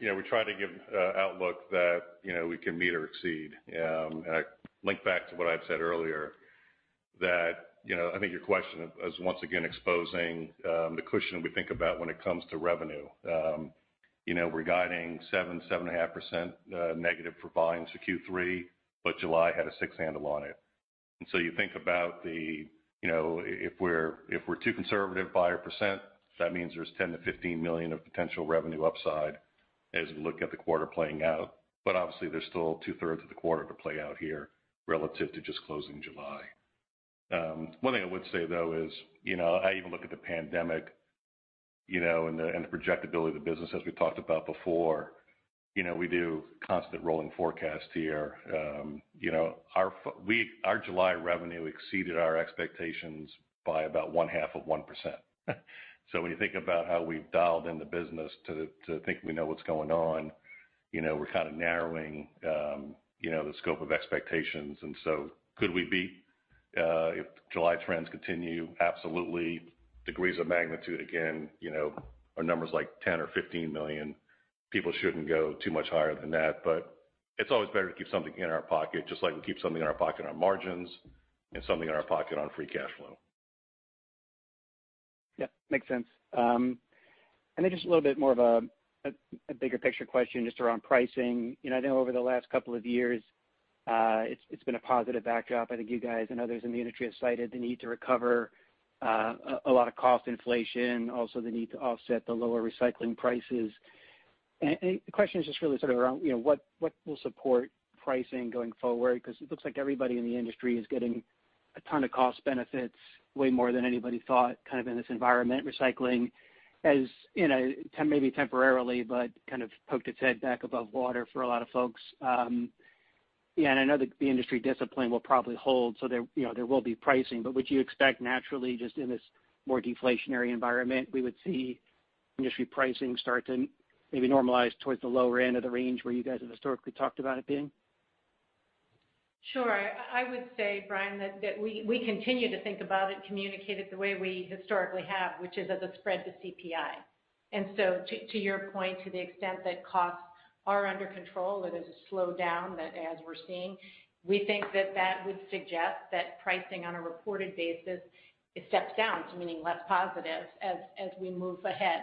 we try to give outlook that we can meet or exceed. I link back to what I've said earlier, that I think your question is once again exposing the cushion we think about when it comes to revenue. We're guiding 7.5% negative for volumes for Q3, but July had a six handle on it. You think about the, if we're too conservative by a percent, that means there's $10 million-$15 million of potential revenue upside as we look at the quarter playing out. Obviously, there's still two-thirds of the quarter to play out here relative to just closing July. One thing I would say, though, is how you look at the pandemic, and the projectability of the business as we talked about before. We do constant rolling forecasts here. Our July revenue exceeded our expectations by about one-half of 1%. When you think about how we've dialed in the business to think we know what's going on, we're kind of narrowing the scope of expectations. Could we beat, if July trends continue? Absolutely. Degrees of magnitude, again, are numbers like $10 million or $15 million. People shouldn't go too much higher than that. It's always better to keep something in our pocket, just like we keep something in our pocket on margins, and something in our pocket on free cash flow. Yeah. Makes sense. Then just a little bit more of a bigger picture question just around pricing. I know over the last couple of years, it's been a positive backdrop. I think you guys and others in the industry have cited the need to recover a lot of cost inflation, also the need to offset the lower recycling prices. The question is just really sort of around what will support pricing going forward? Because it looks like everybody in the industry is getting a ton of cost benefits way more than anybody thought, kind of in this environment. Recycling as, maybe temporarily, but kind of poked its head back above water for a lot of folks. Yeah, I know the industry discipline will probably hold, so there will be pricing. Would you expect naturally, just in this more deflationary environment, we would see industry pricing start to maybe normalize towards the lower end of the range where you guys have historically talked about it being? Sure. I would say, Brian, that we continue to think about it, communicate it the way we historically have, which is as a spread to CPI. To your point, to the extent that costs are under control, that there's a slowdown as we're seeing, we think that that would suggest that pricing on a reported basis, it steps down to meaning less positive as we move ahead.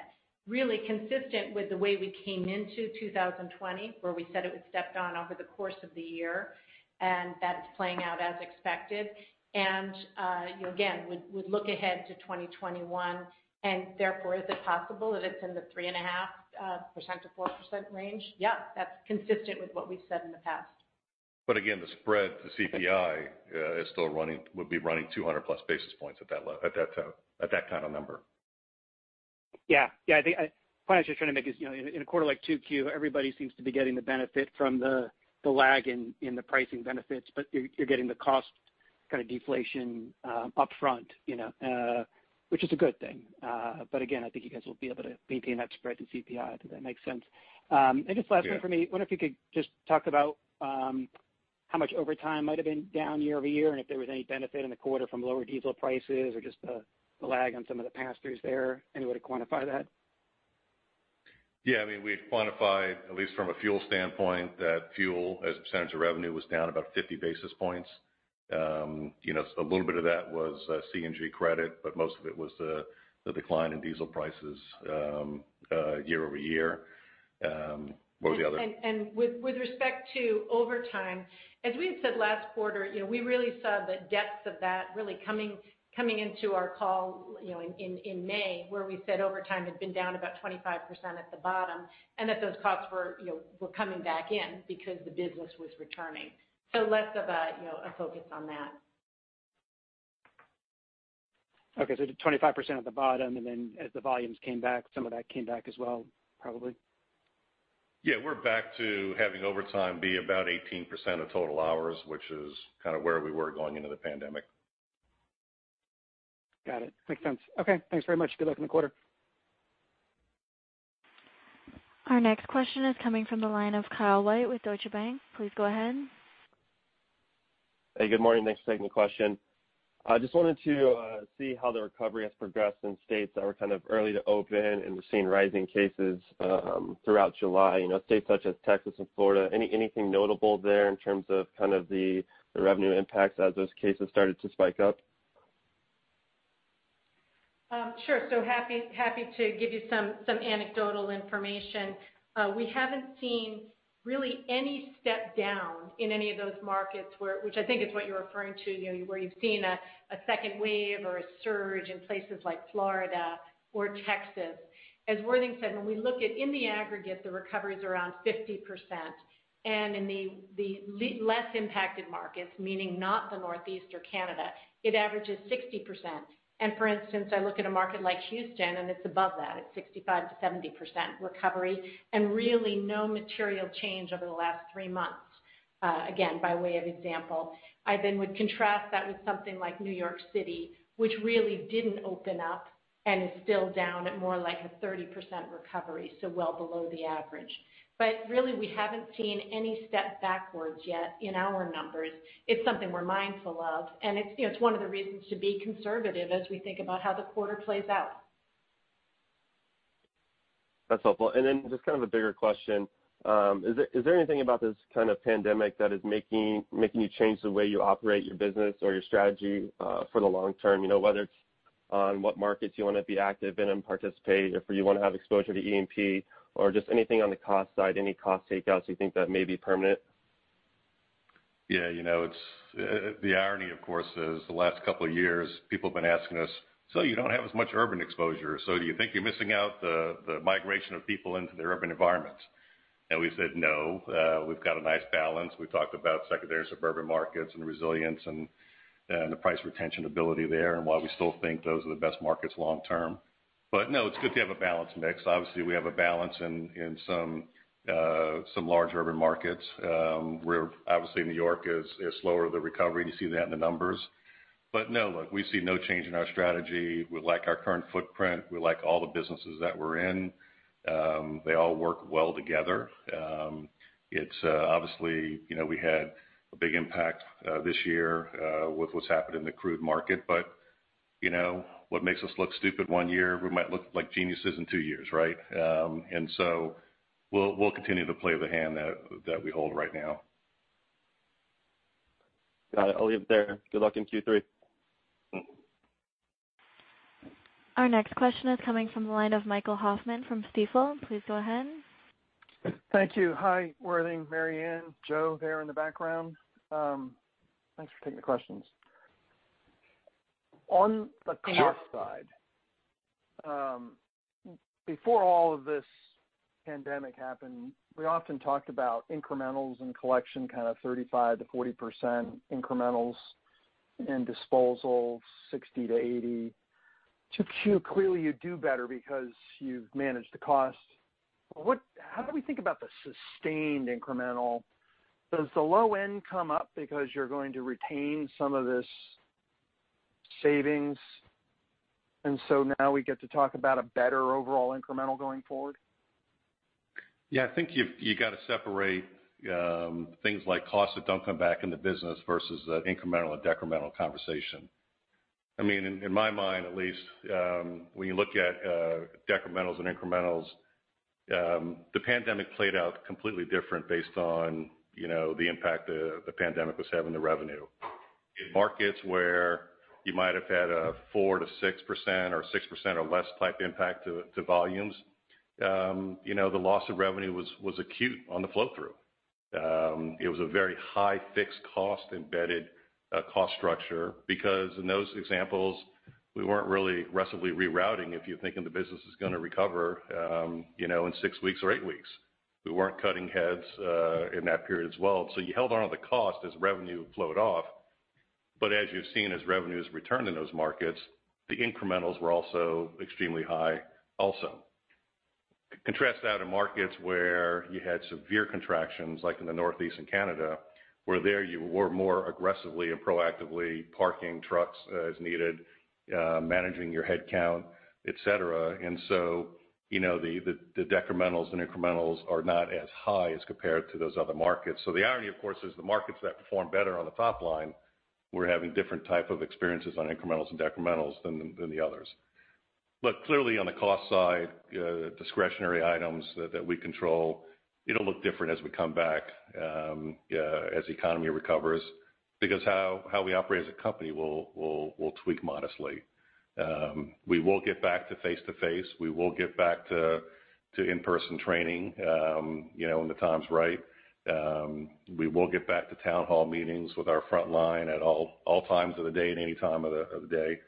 Really consistent with the way we came into 2020, where we said it would step down over the course of the year, and that's playing out as expected. Again, we'd look ahead to 2021, and therefore, is it possible that it's in the 3.5%-4% range? Yeah, that's consistent with what we've said in the past. Again, the spread to CPI would be running 200+ basis points at that kind of number. Yeah. I think the point I was just trying to make is, in a quarter like 2Q, everybody seems to be getting the benefit from the lag in the pricing benefits. You're getting the cost deflation upfront which is a good thing. Again, I think you guys will be able to maintain that spread to CPI. Does that make sense? Yeah. I guess last one from me, I wonder if you could just talk about how much overtime might've been down year-over-year, and if there was any benefit in the quarter from lower diesel prices or just the lag on some of the pass-throughs there. Any way to quantify that? Yeah. We've quantified, at least from a fuel standpoint, that fuel as a percentage of revenue was down about 50 basis points. A little bit of that was a CNG credit, most of it was the decline in diesel prices year-over-year. What was the other? With respect to overtime, as we had said last quarter, we really saw the depths of that really coming into our call in May, where we said overtime had been down about 25% at the bottom, and that those costs were coming back in because the business was returning. Less of a focus on that. Okay. 25% at the bottom, as the volumes came back, some of that came back as well, probably. Yeah. We're back to having overtime be about 18% of total hours, which is kind of where we were going into the pandemic. Got it. Makes sense. Okay, thanks very much. Good luck on the quarter. Our next question is coming from the line of Kyle White with Deutsche Bank. Please go ahead. Hey, good morning. Thanks for taking the question. I just wanted to see how the recovery has progressed in states that were kind of early to open and we're seeing rising cases throughout July. States such as Texas and Florida. Anything notable there in terms of the revenue impacts as those cases started to spike up? Happy to give you some anecdotal information. We haven't seen really any step down in any of those markets where, which I think is what you're referring to, where you've seen a second wave or a surge in places like Florida or Texas. As Worthing said, when we look at in the aggregate, the recovery is around 50%. In the less impacted markets, meaning not the Northeast or Canada, it averages 60%. For instance, I look at a market like Houston, and it's above that. It's 65%-70% recovery and really no material change over the last three months. Again, by way of example. I then would contrast that with something like New York City, which really didn't open up and is still down at more like a 30% recovery, so well below the average. Really we haven't seen any step backwards yet in our numbers. It's something we're mindful of, and it's one of the reasons to be conservative as we think about how the quarter plays out. That's helpful. Then just kind of a bigger question. Is there anything about this kind of pandemic that is making you change the way you operate your business or your strategy for the long term? Whether it's on what markets you want to be active in and participate, or you want to have exposure to E&P or just anything on the cost side, any cost takeouts you think that may be permanent? Yeah. The irony, of course, is the last couple of years people have been asking us, "So you don't have as much urban exposure. So do you think you're missing out the migration of people into the urban environments?" We said, no. We've got a nice balance. We've talked about secondary suburban markets and resilience and the price retention ability there, and why we still think those are the best markets long term. No, it's good to have a balanced mix. Obviously, we have a balance in some large urban markets. Where obviously New York is slower, the recovery. You see that in the numbers. No, look, we see no change in our strategy. We like our current footprint. We like all the businesses that we're in. They all work well together. Obviously, we had a big impact this year, with what's happened in the crude market. What makes us look stupid one year, we might look like geniuses in two years, right? We'll continue to play the hand that we hold right now. Got it. I'll leave it there. Good luck in Q3. Thanks. Our next question is coming from the line of Michael Hoffman from Stifel. Please go ahead. Thank you. Hi, Worthing, Mary Anne, Joe there in the background. Thanks for taking the questions. On the cost side, before all of this pandemic happened, we often talked about incrementals and collection, kind of 35%-40% incrementals in disposal, 60%-80%. 2Q, clearly you do better because you've managed the cost. How do we think about the sustained incremental? Does the low end come up because you're going to retain some of this savings, and so now we get to talk about a better overall incremental going forward? I think you've got to separate things like costs that don't come back in the business versus the incremental and decremental conversation. In my mind at least, when you look at decrementals and incrementals, the pandemic played out completely different based on the impact the pandemic was having on the revenue. In markets where you might have had a 4%-6% or 6% or less type impact to volumes, the loss of revenue was acute on the flow-through. It was a very high fixed cost embedded cost structure because in those examples, we weren't really aggressively rerouting if you're thinking the business is going to recover in six weeks or eight weeks. We weren't cutting heads in that period as well. You held onto the cost as revenue flowed off. As you've seen, as revenues return in those markets, the incrementals were also extremely high also. Contrast that in markets where you had severe contractions, like in the Northeast and Canada, where there you were more aggressively and proactively parking trucks as needed, managing your headcount, et cetera. The decrementals and incrementals are not as high as compared to those other markets. The irony, of course, is the markets that perform better on the top line were having different type of experiences on incrementals and decrementals than the others. Clearly, on the cost side, discretionary items that we control, it'll look different as we come back, as the economy recovers. How we operate as a company will tweak modestly. We will get back to face-to-face. We will get back to in-person training when the time's right. We will get back to town hall meetings with our front line at all times of the day and any time of the day.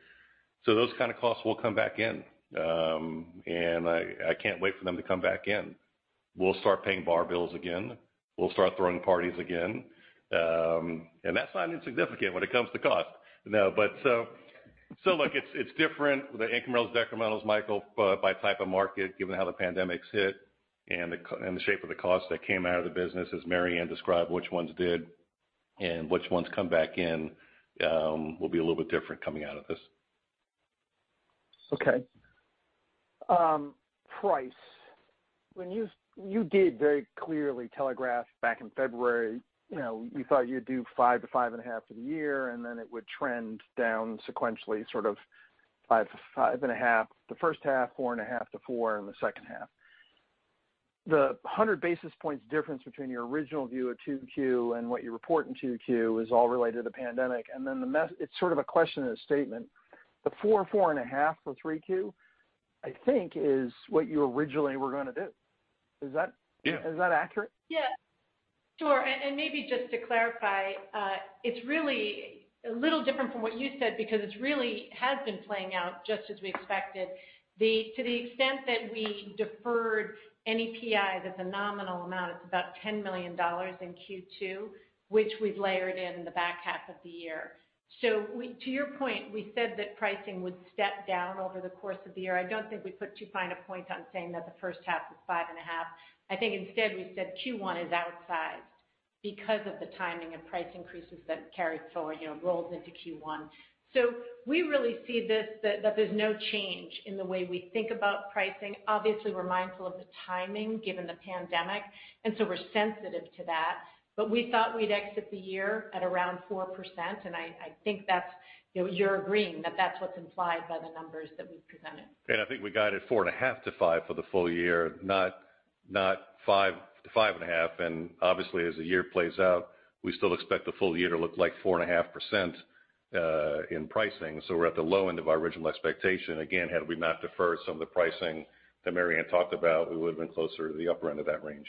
Those kind of costs will come back in, and I can't wait for them to come back in. We'll start paying bar bills again. We'll start throwing parties again. That's not insignificant when it comes to cost. Look, it's different with the incrementals, decrementals, Michael, by type of market, given how the pandemic's hit and the shape of the cost that came out of the business as Mary Anne described which ones did and which ones come back in will be a little bit different coming out of this. Okay. Price. You did very clearly telegraph back in February, you thought you'd do 5%-5.5% for the year, and then it would trend down sequentially, sort of 5%, 5.5% the first half, 4.5%-4% in the second half. The 100 basis points difference between your original view of 2Q and what you report in 2Q is all related to pandemic. Then it's sort of a question and a statement. The 4%-4.5% for 3Q, I think is what you originally were going to do. Is that? Yeah Is that accurate? Yeah. Sure. Maybe just to clarify, it's really a little different from what you said because it really has been playing out just as we expected. To the extent that we deferred NEPI, that's a nominal amount. It's about $10 million in Q2, which we've layered in the back half of the year. To your point, we said that pricing would step down over the course of the year. I don't think we put too fine a point on saying that the first half was 5.5%. I think instead we said Q1 is outsized because of the timing of price increases that carried forward, rolled into Q1. We really see that there's no change in the way we think about pricing. Obviously, we're mindful of the timing given the pandemic, we're sensitive to that. We thought we'd exit the year at around 4%, and I think that you're agreeing that that's what's implied by the numbers that we've presented. I think I guided 4.5%-5% for the full year, not 5%-5.5%. Obviously as the year plays out, we still expect the full year to look like 4.5% in pricing. We're at the low end of our original expectation. Again, had we not deferred some of the pricing that Mary Anne talked about, we would've been closer to the upper end of that range.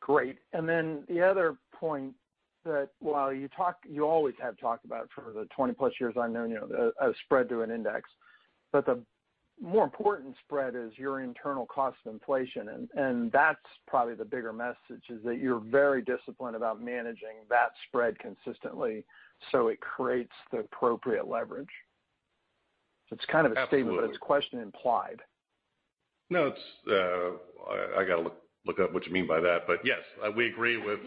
Great. The other point that while you always have talked about for the 20+ years I've known you, a spread to an index. The more important spread is your internal cost inflation, that's probably the bigger message, is that you're very disciplined about managing that spread consistently so it creates the appropriate leverage. It's kind of a statement. Absolutely It's question implied. No, I got to look up what you mean by that. Yes, we agree with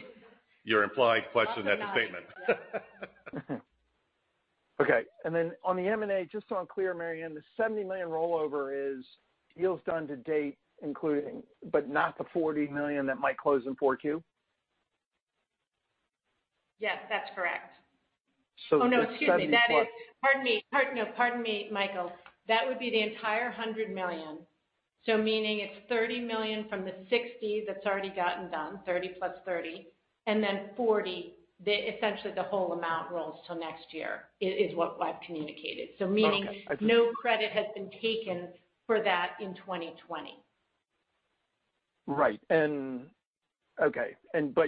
your implied question and statement. Okay. On the M&A, just so I'm clear, Mary Anne, the $70 million rollover is deals done to date including, but not the $40 million that might close in 4Q? Yes, that's correct. the $70 million. Oh, no, excuse me. Pardon me, Michael. That would be the entire $100 million. Meaning it's $30 million from the $60 that's already gotten done, $30 plus $30, and then $40, essentially the whole amount rolls till next year, is what I've communicated. Okay, I see no credit has been taken for that in 2020. Right. Okay.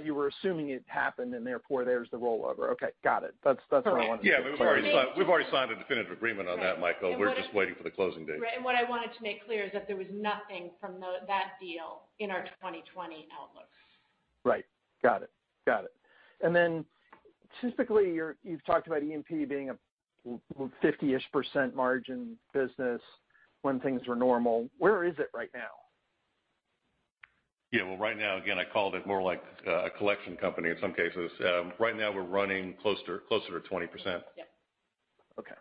You were assuming it happened, and therefore there's the rollover. Okay, got it. That's what I wanted clarity. Yeah. We've already signed a definitive agreement on that, Michael. We're just waiting for the closing date. Right. What I wanted to make clear is that there was nothing from that deal in our 2020 outlooks. Right. Got it. Typically, you've talked about E&P being a 50-ish% margin business when things were normal. Where is it right now? Yeah. Well, right now, again, I called it more like a collection company in some cases. Right now we're running closer to 20%. Yep. Okay.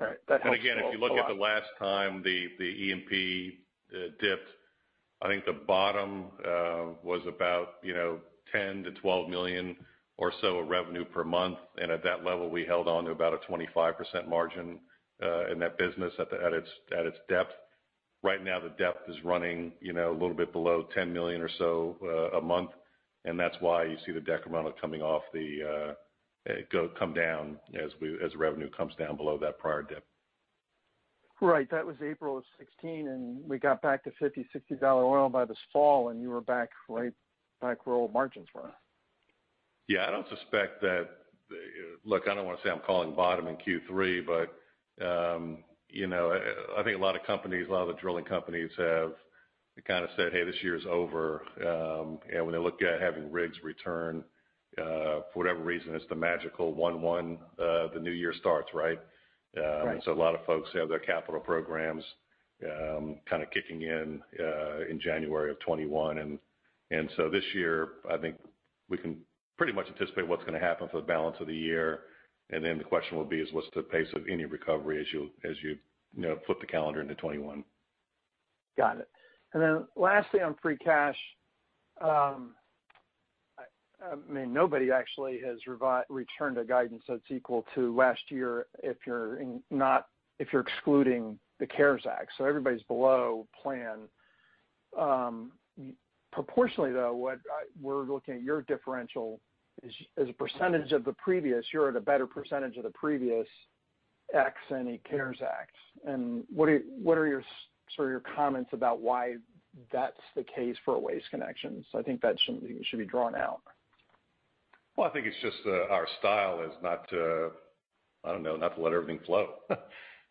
All right. That helps a lot. Again, if you look at the last time the E&P dipped, I think the bottom was about $10 million-$12 million or so of revenue per month. At that level, we held on to about a 25% margin in that business at its depth. Right now the depth is running a little bit below $10 million or so a month. That's why you see the decremental coming down as revenue comes down below that prior dip. Right. That was April 16, and we got back to $50, $60 oil by this fall, and you were back where old margins were. Yeah, I don't suspect Look, I don't want to say I'm calling bottom in Q3, but I think a lot of the drilling companies They kind of said, "Hey, this year is over." When they look at having rigs return, for whatever reason, it's the magical 1/1, the new year starts, right? Right. A lot of folks have their capital programs kind of kicking in January of 2021. This year, I think we can pretty much anticipate what's going to happen for the balance of the year. Then the question will be is what's the pace of any recovery as you flip the calendar into 2021. Got it. Lastly, on free cash. Nobody actually has returned a guidance that's equal to last year if you're excluding the CARES Act. Everybody's below plan. Proportionally, though, we're looking at your differential as a percentage of the previous, you're at a better percentage of the previous ex any CARES Act. What are your sort of your comments about why that's the case for a Waste Connections? I think that should be drawn out. Well, I think it's just our style is not, I don't know, not to let everything flow.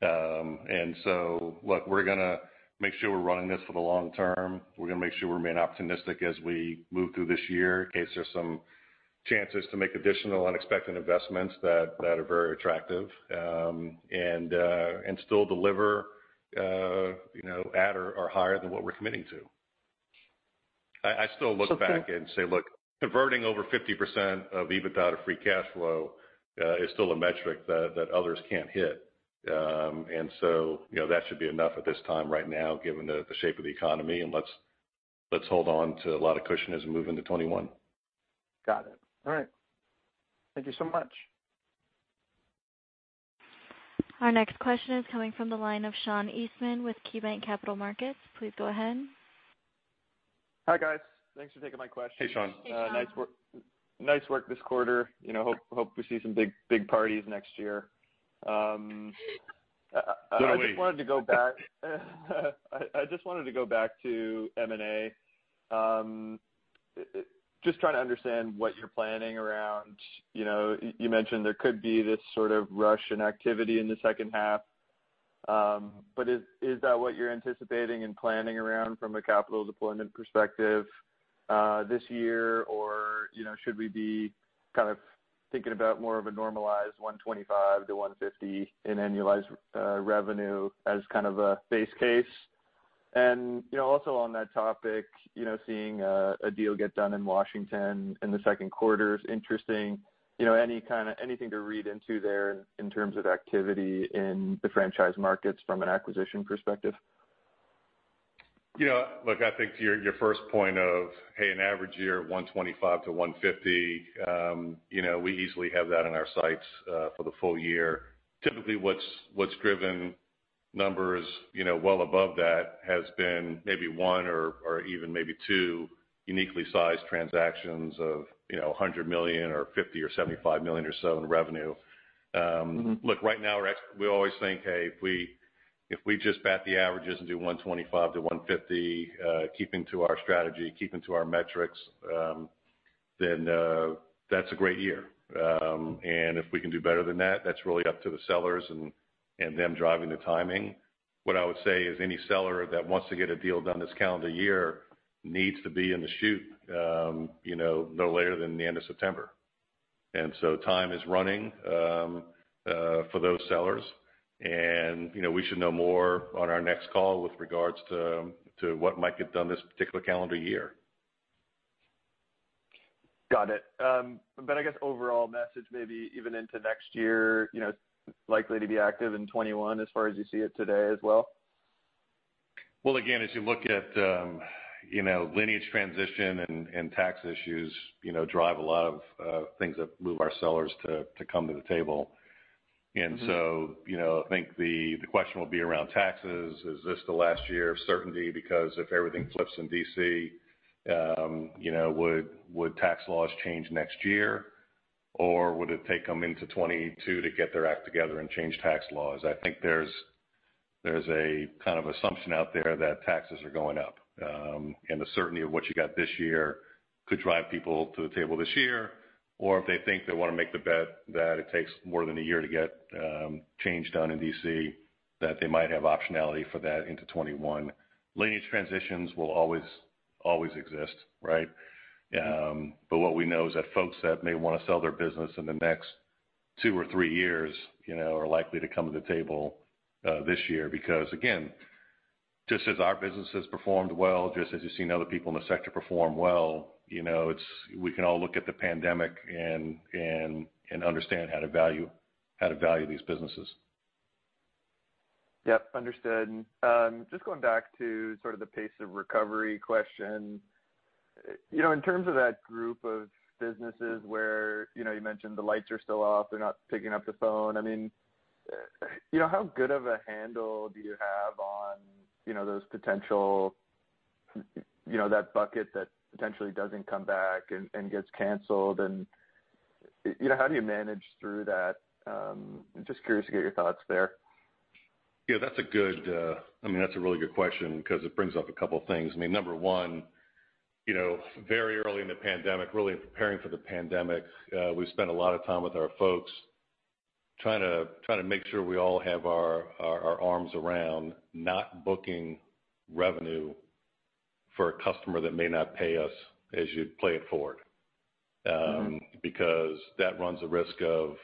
Look, we're going to make sure we're running this for the long term. We're going to make sure we remain optimistic as we move through this year in case there's some chances to make additional unexpected investments that are very attractive, and still deliver at or higher than what we're committing to. I still look back and say, look, converting over 50% of EBITDA to free cash flow is still a metric that others can't hit. That should be enough at this time right now given the shape of the economy, and let's hold on to a lot of cushion as we move into 2021. Got it. All right. Thank you so much. Our next question is coming from the line of Sean Eastman with KeyBanc Capital Markets. Please go ahead. Hi, guys. Thanks for taking my questions. Hey, Sean. Hey, Sean. Nice work this quarter. Hope to see some big parties next year. Get out the way. I just wanted to go back to M&A. Just trying to understand what you're planning around, you mentioned there could be this sort of rush in activity in the second half. Is that what you're anticipating and planning around from a capital deployment perspective, this year? Or should we be kind of thinking about more of a normalized $125 million-$150 million in annualized revenue as kind of a base case? Also on that topic, seeing a deal get done in Washington in the second quarter is interesting. Anything to read into there in terms of activity in the franchise markets from an acquisition perspective? Look, I think to your first point of, hey, an average year, $125 million-$150 million, we easily have that in our sights for the full year. Typically, what's driven numbers well above that has been maybe one or even maybe two uniquely sized transactions of $100 million or $50 million or $75 million or so in revenue. Look, right now, we always think, hey, if we just bat the averages and do $125million-$150 million, keeping to our strategy, keeping to our metrics, then that's a great year. If we can do better than that's really up to the sellers and them driving the timing. What I would say is any seller that wants to get a deal done this calendar year needs to be in the chute no later than the end of September. Time is running for those sellers, and we should know more on our next call with regards to what might get done this particular calendar year. Got it. I guess overall message maybe even into next year, likely to be active in 2021 as far as you see it today as well? Well, again, as you look at lineage transition and tax issues drive a lot of things that move our sellers to come to the table. I think the question will be around taxes. Is this the last year of certainty? Because if everything flips in D.C., would tax laws change next year? Or would it take them into 2022 to get their act together and change tax laws? I think there's a kind of assumption out there that taxes are going up. The certainty of what you got this year could drive people to the table this year. If they think they want to make the bet that it takes more than a year to get change done in D.C., that they might have optionality for that into 2021. Lineage transitions will always exist, right? What we know is that folks that may want to sell their business in the next two or three years are likely to come to the table this year. Again, just as our business has performed well, just as you've seen other people in the sector perform well, we can all look at the pandemic and understand how to value these businesses. Yep, understood. Just going back to sort of the pace of recovery question. In terms of that group of businesses where you mentioned the lights are still off, they're not picking up the phone. How good of a handle do you have on that bucket that potentially doesn't come back and gets canceled, and how do you manage through that? Just curious to get your thoughts there. That's a really good question because it brings up a couple things. Number one, very early in the pandemic, really preparing for the pandemic, we spent a lot of time with our folks trying to make sure we all have our arms around not booking revenue for a customer that may not pay us as you play it forward That runs the risk of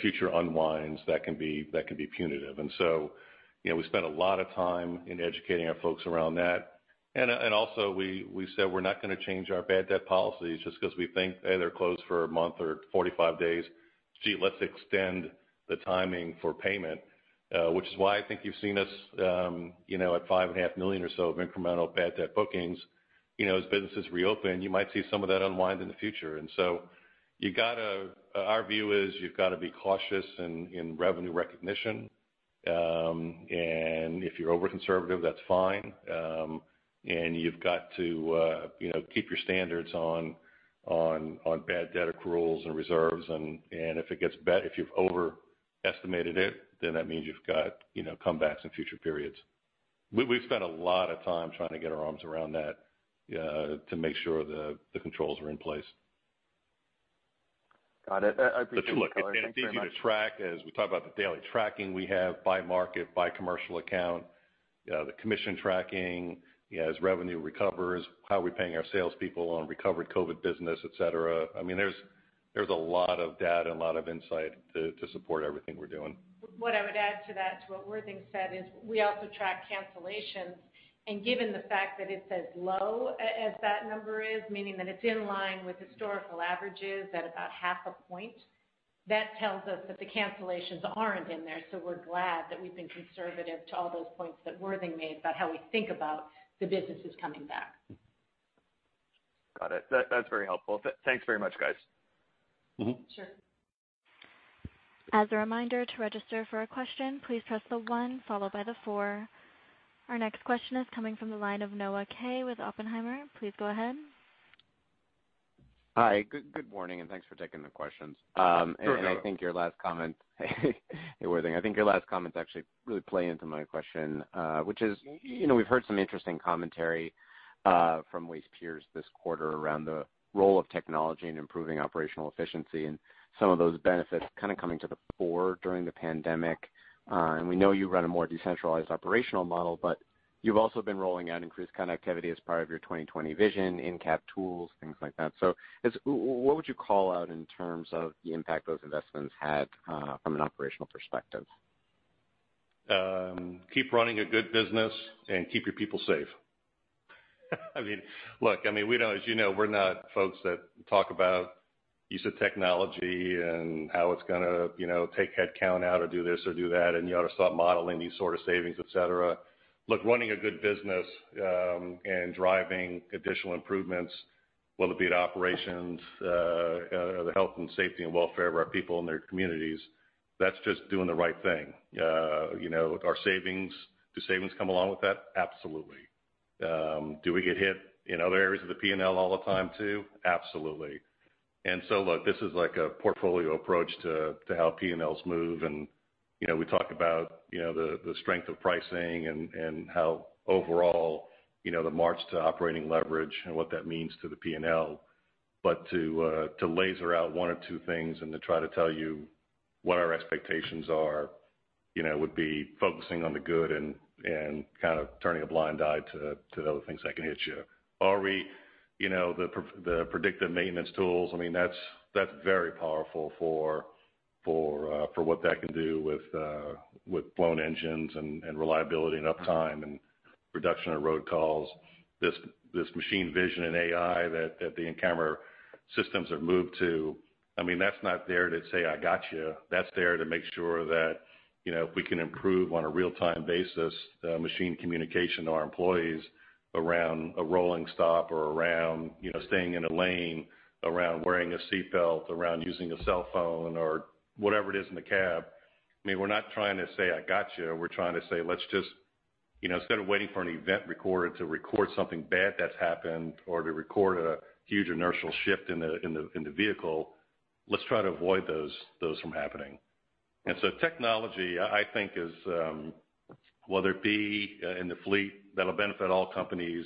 future unwinds that can be punitive. We spent a lot of time in educating our folks around that. Also we said we're not going to change our bad debt policies just because we think they're closed for a month or 45 days. Gee, let's extend the timing for payment. Which is why I think you've seen us at $5.5 million or so of incremental bad debt bookings. As businesses reopen, you might see some of that unwind in the future. Our view is you've got to be cautious in revenue recognition. If you're over-conservative, that's fine. You've got to keep your standards on bad debt accruals and reserves, and if it gets bad, if you've overestimated it, then that means you've got comebacks in future periods. We've spent a lot of time trying to get our arms around that to make sure the controls are in place. Got it. I appreciate it, Worthing. Thank you much. Look, indeed you track as we talk about the daily tracking we have by market, by commercial account, the commission tracking as revenue recovers, how are we paying our salespeople on recovered COVID business, et cetera. There's a lot of data and a lot of insight to support everything we're doing. What I would add to that, to what Worthing said is, we also track cancellations. Given the fact that it's as low as that number is, meaning that it's in line with historical averages at about half a point. That tells us that the cancellations aren't in there. We're glad that we've been conservative to all those points that Worthing made about how we think about the businesses coming back. Got it. That's very helpful. Thanks very much, guys. Sure. As a reminder to register for a question, please press the one followed by the four. Our next question is coming from the line of Noah Kaye with Oppenheimer. Please go ahead. Hi, good morning, and thanks for taking the questions. Sure. Hey, Worthing. I think your last comments actually really play into my question, which is, we've heard some interesting commentary from Waste peers this quarter around the role of technology in improving operational efficiency and some of those benefits kind of coming to the fore during the pandemic. We know you run a more decentralized operational model, but you've also been rolling out increased connectivity as part of your 2020 vision, in-cab tools, things like that. What would you call out in terms of the impact those investments had from an operational perspective? Keep running a good business and keep your people safe. Look, as you know, we're not folks that talk about use of technology and how it's going to take headcount out or do this or do that, and you ought to start modeling these sort of savings, et cetera. Look, running a good business and driving additional improvements, whether it be at operations, or the health and safety and welfare of our people and their communities, that's just doing the right thing. Do savings come along with that? Absolutely. Do we get hit in other areas of the P&L all the time, too? Absolutely. Look, this is like a portfolio approach to how P&Ls move and we talk about the strength of pricing and how overall, the march to operating leverage and what that means to the P&L. To laser out one or two things and to try to tell you what our expectations are would be focusing on the good and kind of turning a blind eye to the other things that can hit you. Are the predictive maintenance tools, that's very powerful for what that can do with blown engines and reliability and uptime and reduction of road calls. This machine vision and AI that the in-camera systems have moved to. That's not there to say, "I got you." That's there to make sure that if we can improve on a real-time basis, machine communication to our employees around a rolling stop or around staying in a lane, around wearing a seatbelt, around using a cellphone or whatever it is in the cab. We're not trying to say, "I got you." We're trying to say instead of waiting for an event recorder to record something bad that's happened or to record a huge inertial shift in the vehicle, let's try to avoid those from happening. Technology, I think is, whether it be in the fleet, that'll benefit all companies,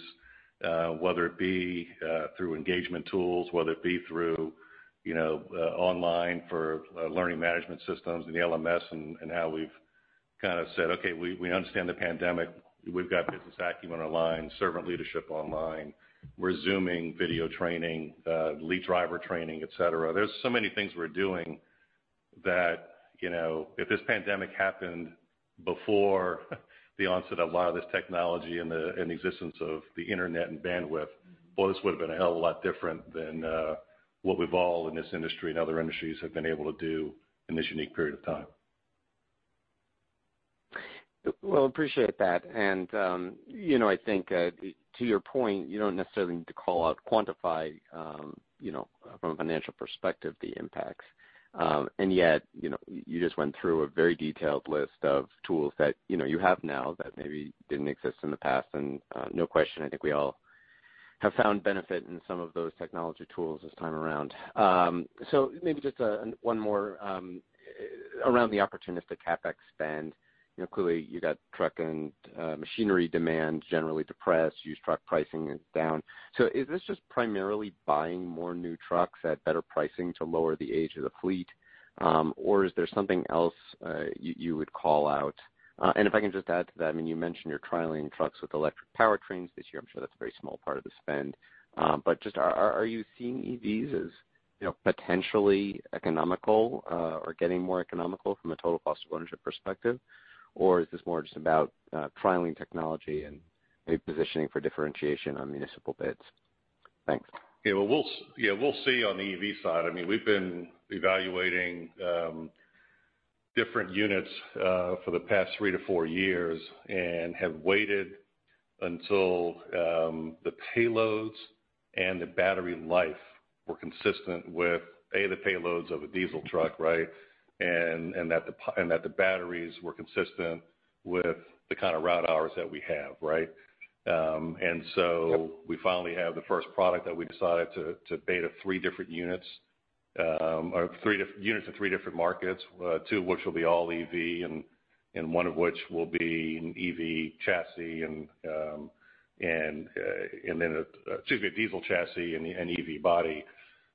whether it be through engagement tools, whether it be through online for Learning Management Systems and the LMS and how we've kind of said, "Okay, we understand the pandemic." We've got business acumen online, servant leadership online. We're Zooming video training, lead driver training, et cetera. There's so many things we're doing that if this pandemic happened before the onset of a lot of this technology and the existence of the internet and bandwidth, boy, this would've been a hell of a lot different than what we've all in this industry and other industries have been able to do in this unique period of time. Well, appreciate that. I think, to your point, you don't necessarily need to call out, quantify from a financial perspective the impacts. Yet, you just went through a very detailed list of tools that you have now that maybe didn't exist in the past, and no question, I think we all have found benefit in some of those technology tools this time around. Maybe just one more around the opportunistic CapEx spend. Clearly, you got truck and machinery demand generally depressed. Used truck pricing is down. Is this just primarily buying more new trucks at better pricing to lower the age of the fleet? Is there something else you would call out? If I can just add to that, you mentioned you're trialing trucks with electric powertrains this year. I'm sure that's a very small part of the spend. Just are you seeing EVs as potentially economical or getting more economical from a total cost of ownership perspective? Is this more just about trialing technology and maybe positioning for differentiation on municipal bids? Thanks. Yeah. We'll see on the EV side. We've been evaluating different units for the past three to four years and have waited until the payloads and the battery life were consistent with, A, the payloads of a diesel truck, right? That the batteries were consistent with the kind of route hours that we have, right? We finally have the first product that we decided to beta three different units or units in three different markets, two of which will be all EV, and one of which will be an EV chassis and then, excuse me, a diesel chassis and EV body.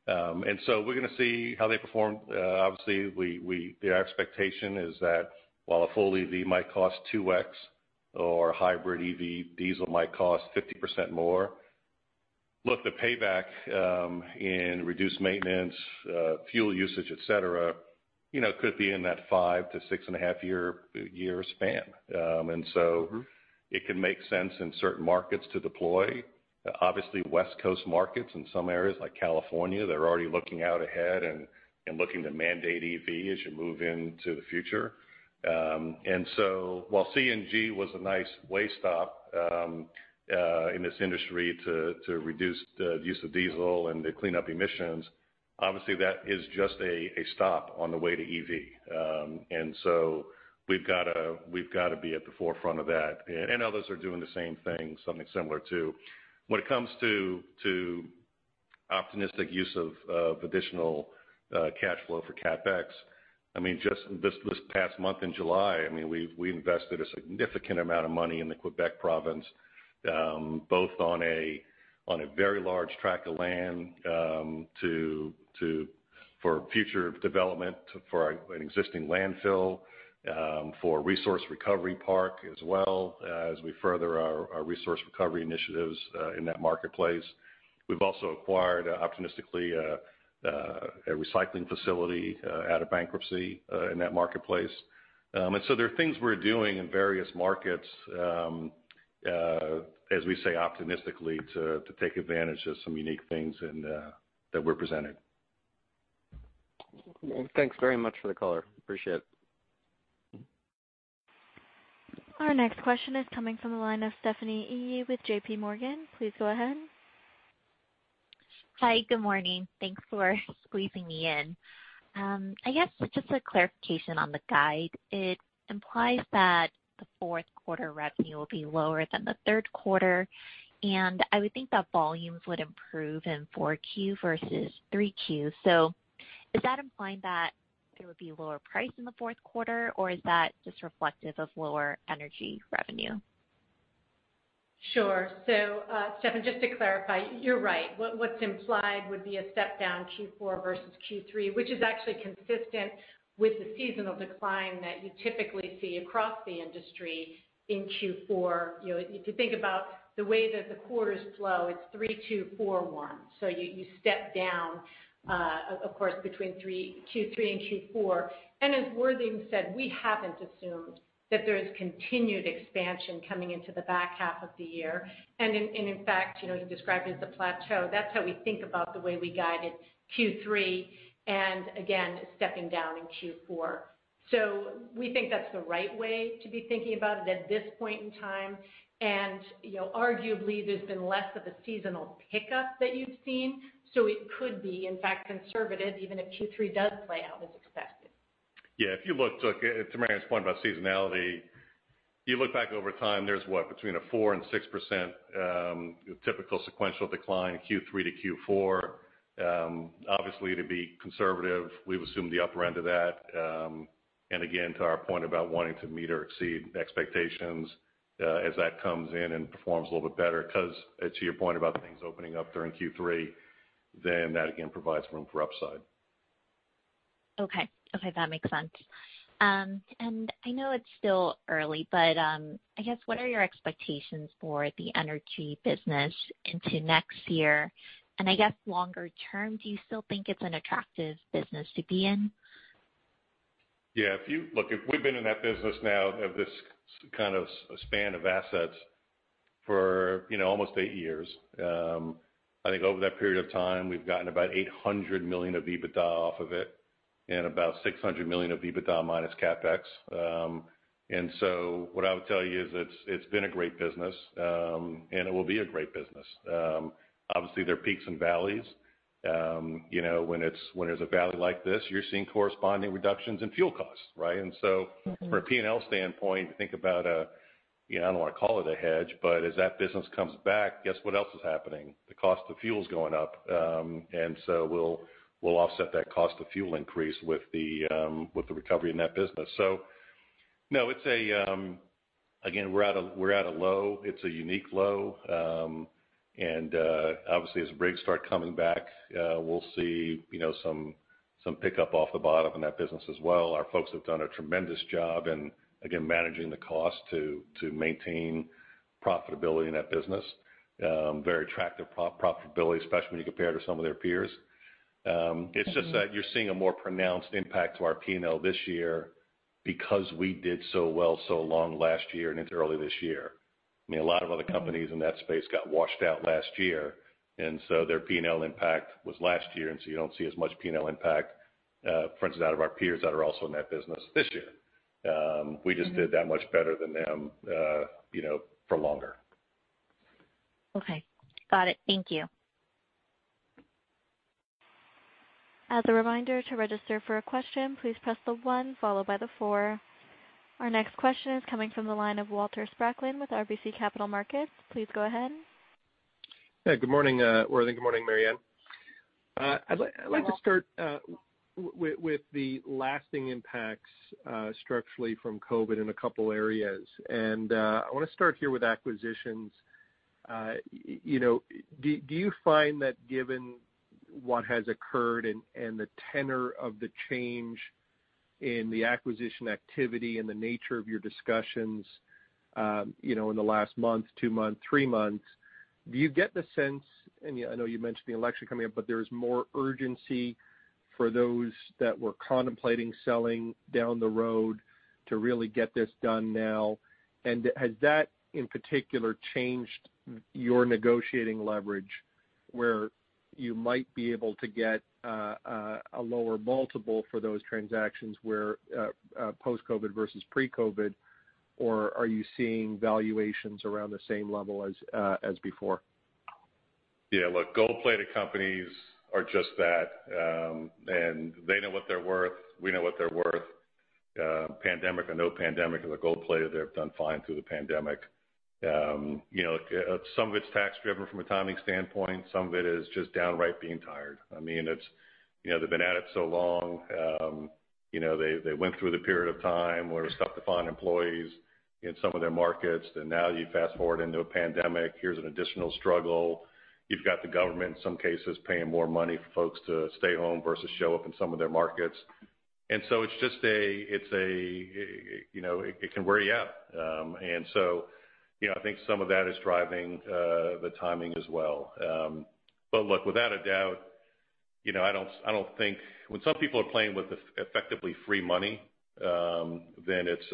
We're going to see how they perform. Obviously, our expectation is that while a full EV might cost 2x or a hybrid EV diesel might cost 50% more, look, the payback in reduced maintenance, fuel usage, et cetera, could be in that five to six and a half year span. It can make sense in certain markets to deploy. Obviously, West Coast markets in some areas like California, they're already looking out ahead and looking to mandate EV as you move into the future. While CNG was a nice way stop in this industry to reduce the use of diesel and to clean up emissions, obviously that is just a stop on the way to EV. We've got to be at the forefront of that, and others are doing the same thing, something similar, too. When it comes to opportunistic use of additional cash flow for CapEx, just this past month in July, we invested a significant amount of money in the Quebec province, both on a very large tract of land for future development for an existing landfill, for a resource recovery park as well, as we further our resource recovery initiatives in that marketplace. We've also acquired, optimistically, a recycling facility out of bankruptcy in that marketplace. There are things we're doing in various markets, as we say optimistically, to take advantage of some unique things that we're presented. Thanks very much for the color. Appreciate it. Our next question is coming from the line of Stephanie Yee with JPMorgan. Please go ahead. Hi. Good morning. Thanks for squeezing me in. I guess just a clarification on the guide. It implies that the fourth quarter revenue will be lower than the third quarter. I would think that volumes would improve in 4Q versus 3Q. Is that implying that there would be lower price in the fourth quarter, or is that just reflective of lower energy revenue? Sure. Stephanie, just to clarify, you're right. What's implied would be a step down Q4 versus Q3, which is actually consistent with the seasonal decline that you typically see across the industry in Q4. If you think about the way that the quarters flow, it's three, two, four, one. You step down, of course, between Q3 and Q4. As Worthing said, we haven't assumed that there is continued expansion coming into the back half of the year. In fact, he described it as a plateau. That's how we think about the way we guided Q3 and again, stepping down in Q4. We think that's the right way to be thinking about it at this point in time. Arguably, there's been less of a seasonal pickup that you've seen. It could be, in fact, conservative, even if Q3 does play out as expected. Yeah. To Mary Anne's point about seasonality, you look back over time, there's what? Between a 4% and 6% typical sequential decline, Q3 to Q4. Obviously, to be conservative, we've assumed the upper end of that. And again, to our point about wanting to meet or exceed expectations, as that comes in and performs a little bit better, because to your point about things opening up during Q3, then that again provides room for upside. Okay. That makes sense. I know it's still early, but I guess what are your expectations for the energy business into next year? I guess longer term, do you still think it's an attractive business to be in? Yeah. Look, we've been in that business now of this kind of span of assets for almost eight years. I think over that period of time, we've gotten about $800 million of EBITDA off of it and about $600 million of EBITDA minus CapEx. What I would tell you is it's been a great business, and it will be a great business. Obviously, there are peaks and valleys. When there's a valley like this, you're seeing corresponding reductions in fuel costs, right? From a P&L standpoint, think about I don't want to call it a hedge, but as that business comes back, guess what else is happening? The cost of fuel is going up. We'll offset that cost of fuel increase with the recovery in that business. Again, we're at a low. It's a unique low. Obviously, as rigs start coming back, we'll see some pick up off the bottom in that business as well. Our folks have done a tremendous job in, again, managing the cost to maintain profitability in that business. Very attractive profitability, especially when you compare to some of their peers. It's just that you're seeing a more pronounced impact to our P&L this year because we did so well so long last year and into early this year. A lot of other companies in that space got washed out last year, their P&L impact was last year. You don't see as much P&L impact, for instance, out of our peers that are also in that business this year. We just did that much better than them for longer. Okay. Got it. Thank you. Our next question is coming from the line of Walter Spracklin with RBC Capital Markets. Please go ahead. Hey, good morning, Worthing. Good morning, Mary Anne. I'd like to start with the lasting impacts structurally from COVID in a couple of areas. I want to start here with acquisitions. Do you find that given what has occurred and the tenor of the change in the acquisition activity and the nature of your discussions in the last month, two months, three months, do you get the sense, and I know you mentioned the election coming up, but there is more urgency for those that were contemplating selling down the road to really get this done now? Has that, in particular, changed your negotiating leverage, where you might be able to get a lower multiple for those transactions where post-COVID versus pre-COVID? Are you seeing valuations around the same level as before? Yeah, look, gold-plated companies are just that. They know what they're worth. We know what they're worth. Pandemic or no pandemic, as a gold plater, they've done fine through the pandemic. Some of it's tax-driven from a timing standpoint. Some of it is just downright being tired. They've been at it so long. They went through the period of time where it was tough to find employees in some of their markets. Now you fast-forward into a pandemic. Here's an additional struggle. You've got the government, in some cases, paying more money for folks to stay home versus show up in some of their markets. It can wear you out. I think some of that is driving the timing as well. Look, without a doubt, when some people are playing with effectively free money, then it's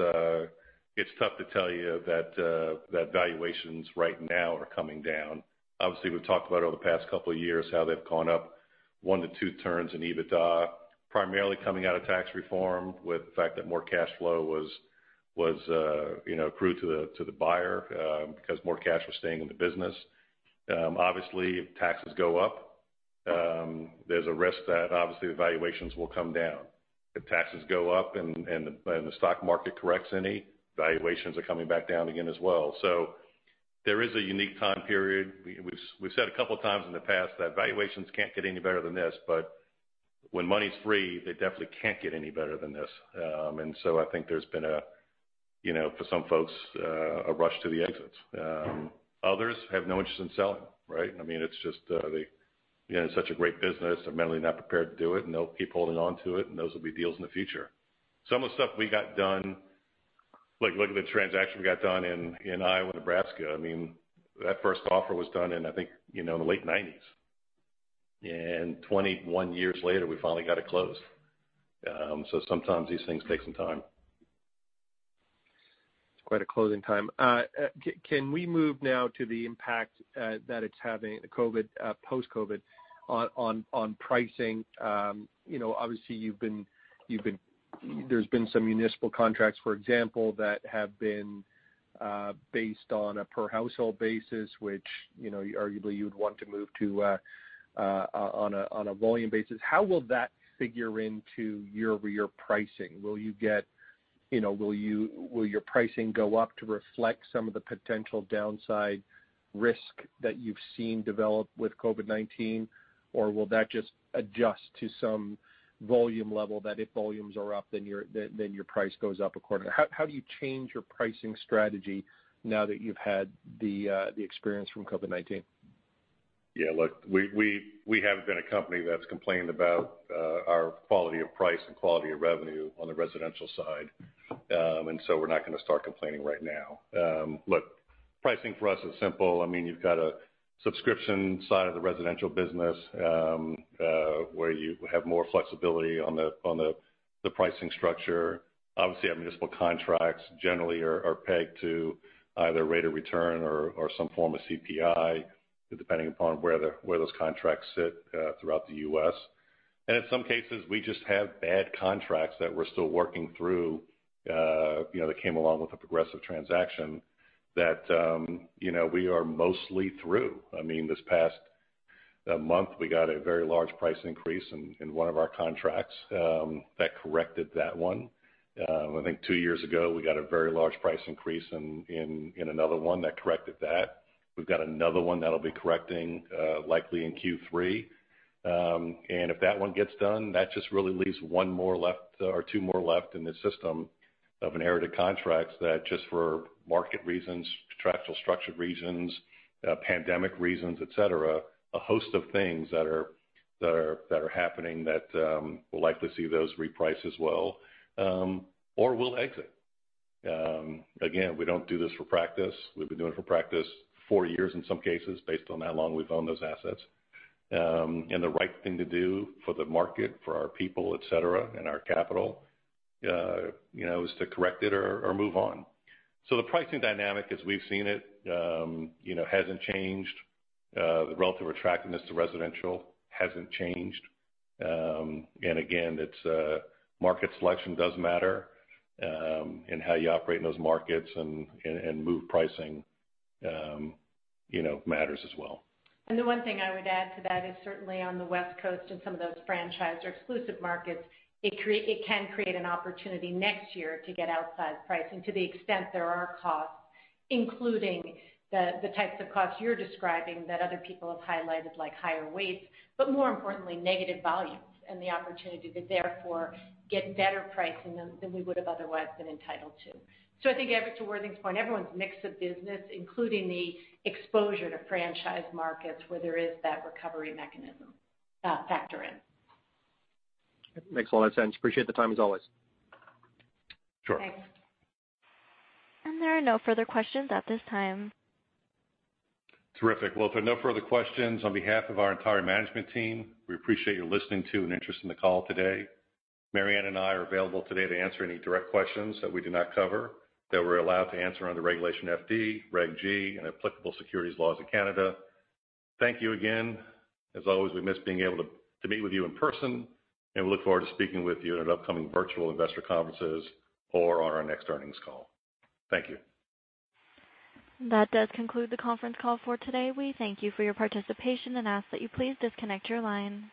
tough to tell you that valuations right now are coming down. Obviously, we've talked about over the past couple of years how they've gone up one to two turns in EBITDA, primarily coming out of tax reform with the fact that more cash flow was accrued to the buyer because more cash was staying in the business. Obviously, if taxes go up, there's a risk that obviously the valuations will come down. If taxes go up and the stock market corrects any, valuations are coming back down again as well. There is a unique time period. We've said a couple times in the past that valuations can't get any better than this, but when money's free, they definitely can't get any better than this. I think there's been, for some folks, a rush to the exits. Others have no interest in selling. It's such a great business. They're mentally not prepared to do it, and they'll keep holding onto it, and those will be deals in the future. Some of the stuff we got done, like look at the transaction we got done in Iowa, Nebraska. That first offer was done in, I think, the late 1990s. 21 years later, we finally got it closed. Sometimes these things take some time. It's quite a closing time. Can we move now to the impact that it's having, post-COVID, on pricing? Obviously, there's been some municipal contracts, for example, that have been based on a per household basis, which arguably you'd want to move to on a volume basis. How will that figure into year-over-year pricing? Will your pricing go up to reflect some of the potential downside risk that you've seen develop with COVID-19? Or will that just adjust to some volume level that if volumes are up, then your price goes up according? How do you change your pricing strategy now that you've had the experience from COVID-19? Look, we haven't been a company that's complained about our quality of price and quality of revenue on the residential side. We're not going to start complaining right now. Look, pricing for us is simple. You've got a subscription side of the residential business, where you have more flexibility on the pricing structure. Obviously, our municipal contracts generally are pegged to either rate of return or some form of CPI, depending upon where those contracts sit throughout the U.S. In some cases, we just have bad contracts that we're still working through that came along with a Progressive transaction that we are mostly through. This past month, we got a very large price increase in one of our contracts that corrected that one. I think two years ago, we got a very large price increase in another one that corrected that. We've got another one that'll be correcting likely in Q3. If that one gets done, that just really leaves two more left in the system of inherited contracts that just for market reasons, contractual structured reasons, pandemic reasons, et cetera, a host of things that are happening that we'll likely see those reprice as well or we'll exit. Again, we don't do this for practice. We've been doing it for practice for years, in some cases, based on how long we've owned those assets. The right thing to do for the market, for our people, et cetera, and our capital, is to correct it or move on. The pricing dynamic as we've seen it hasn't changed. The relative attractiveness to residential hasn't changed. Again, market selection does matter, and how you operate in those markets and move pricing matters as well. The one thing I would add to that is certainly on the West Coast in some of those franchised or exclusive markets, it can create an opportunity next year to get outside pricing to the extent there are costs, including the types of costs you're describing that other people have highlighted, like higher weights. More importantly, negative volumes and the opportunity to therefore get better pricing than we would have otherwise been entitled to. I think to Worthing's point, everyone's mix of business, including the exposure to franchise markets, where there is that recovery mechanism factor in. Makes a lot of sense. Appreciate the time, as always. Sure. Thanks. There are no further questions at this time. Terrific. Well, if there are no further questions, on behalf of our entire management team, we appreciate you listening to and interest in the call today. Mary Anne and I are available today to answer any direct questions that we did not cover, that we're allowed to answer under Regulation FD, Reg G, and applicable securities laws of Canada. Thank you again. As always, we miss being able to meet with you in person, and we look forward to speaking with you at upcoming virtual investor conferences or on our next earnings call. Thank you. That does conclude the conference call for today. We thank you for your participation and ask that you please disconnect your line.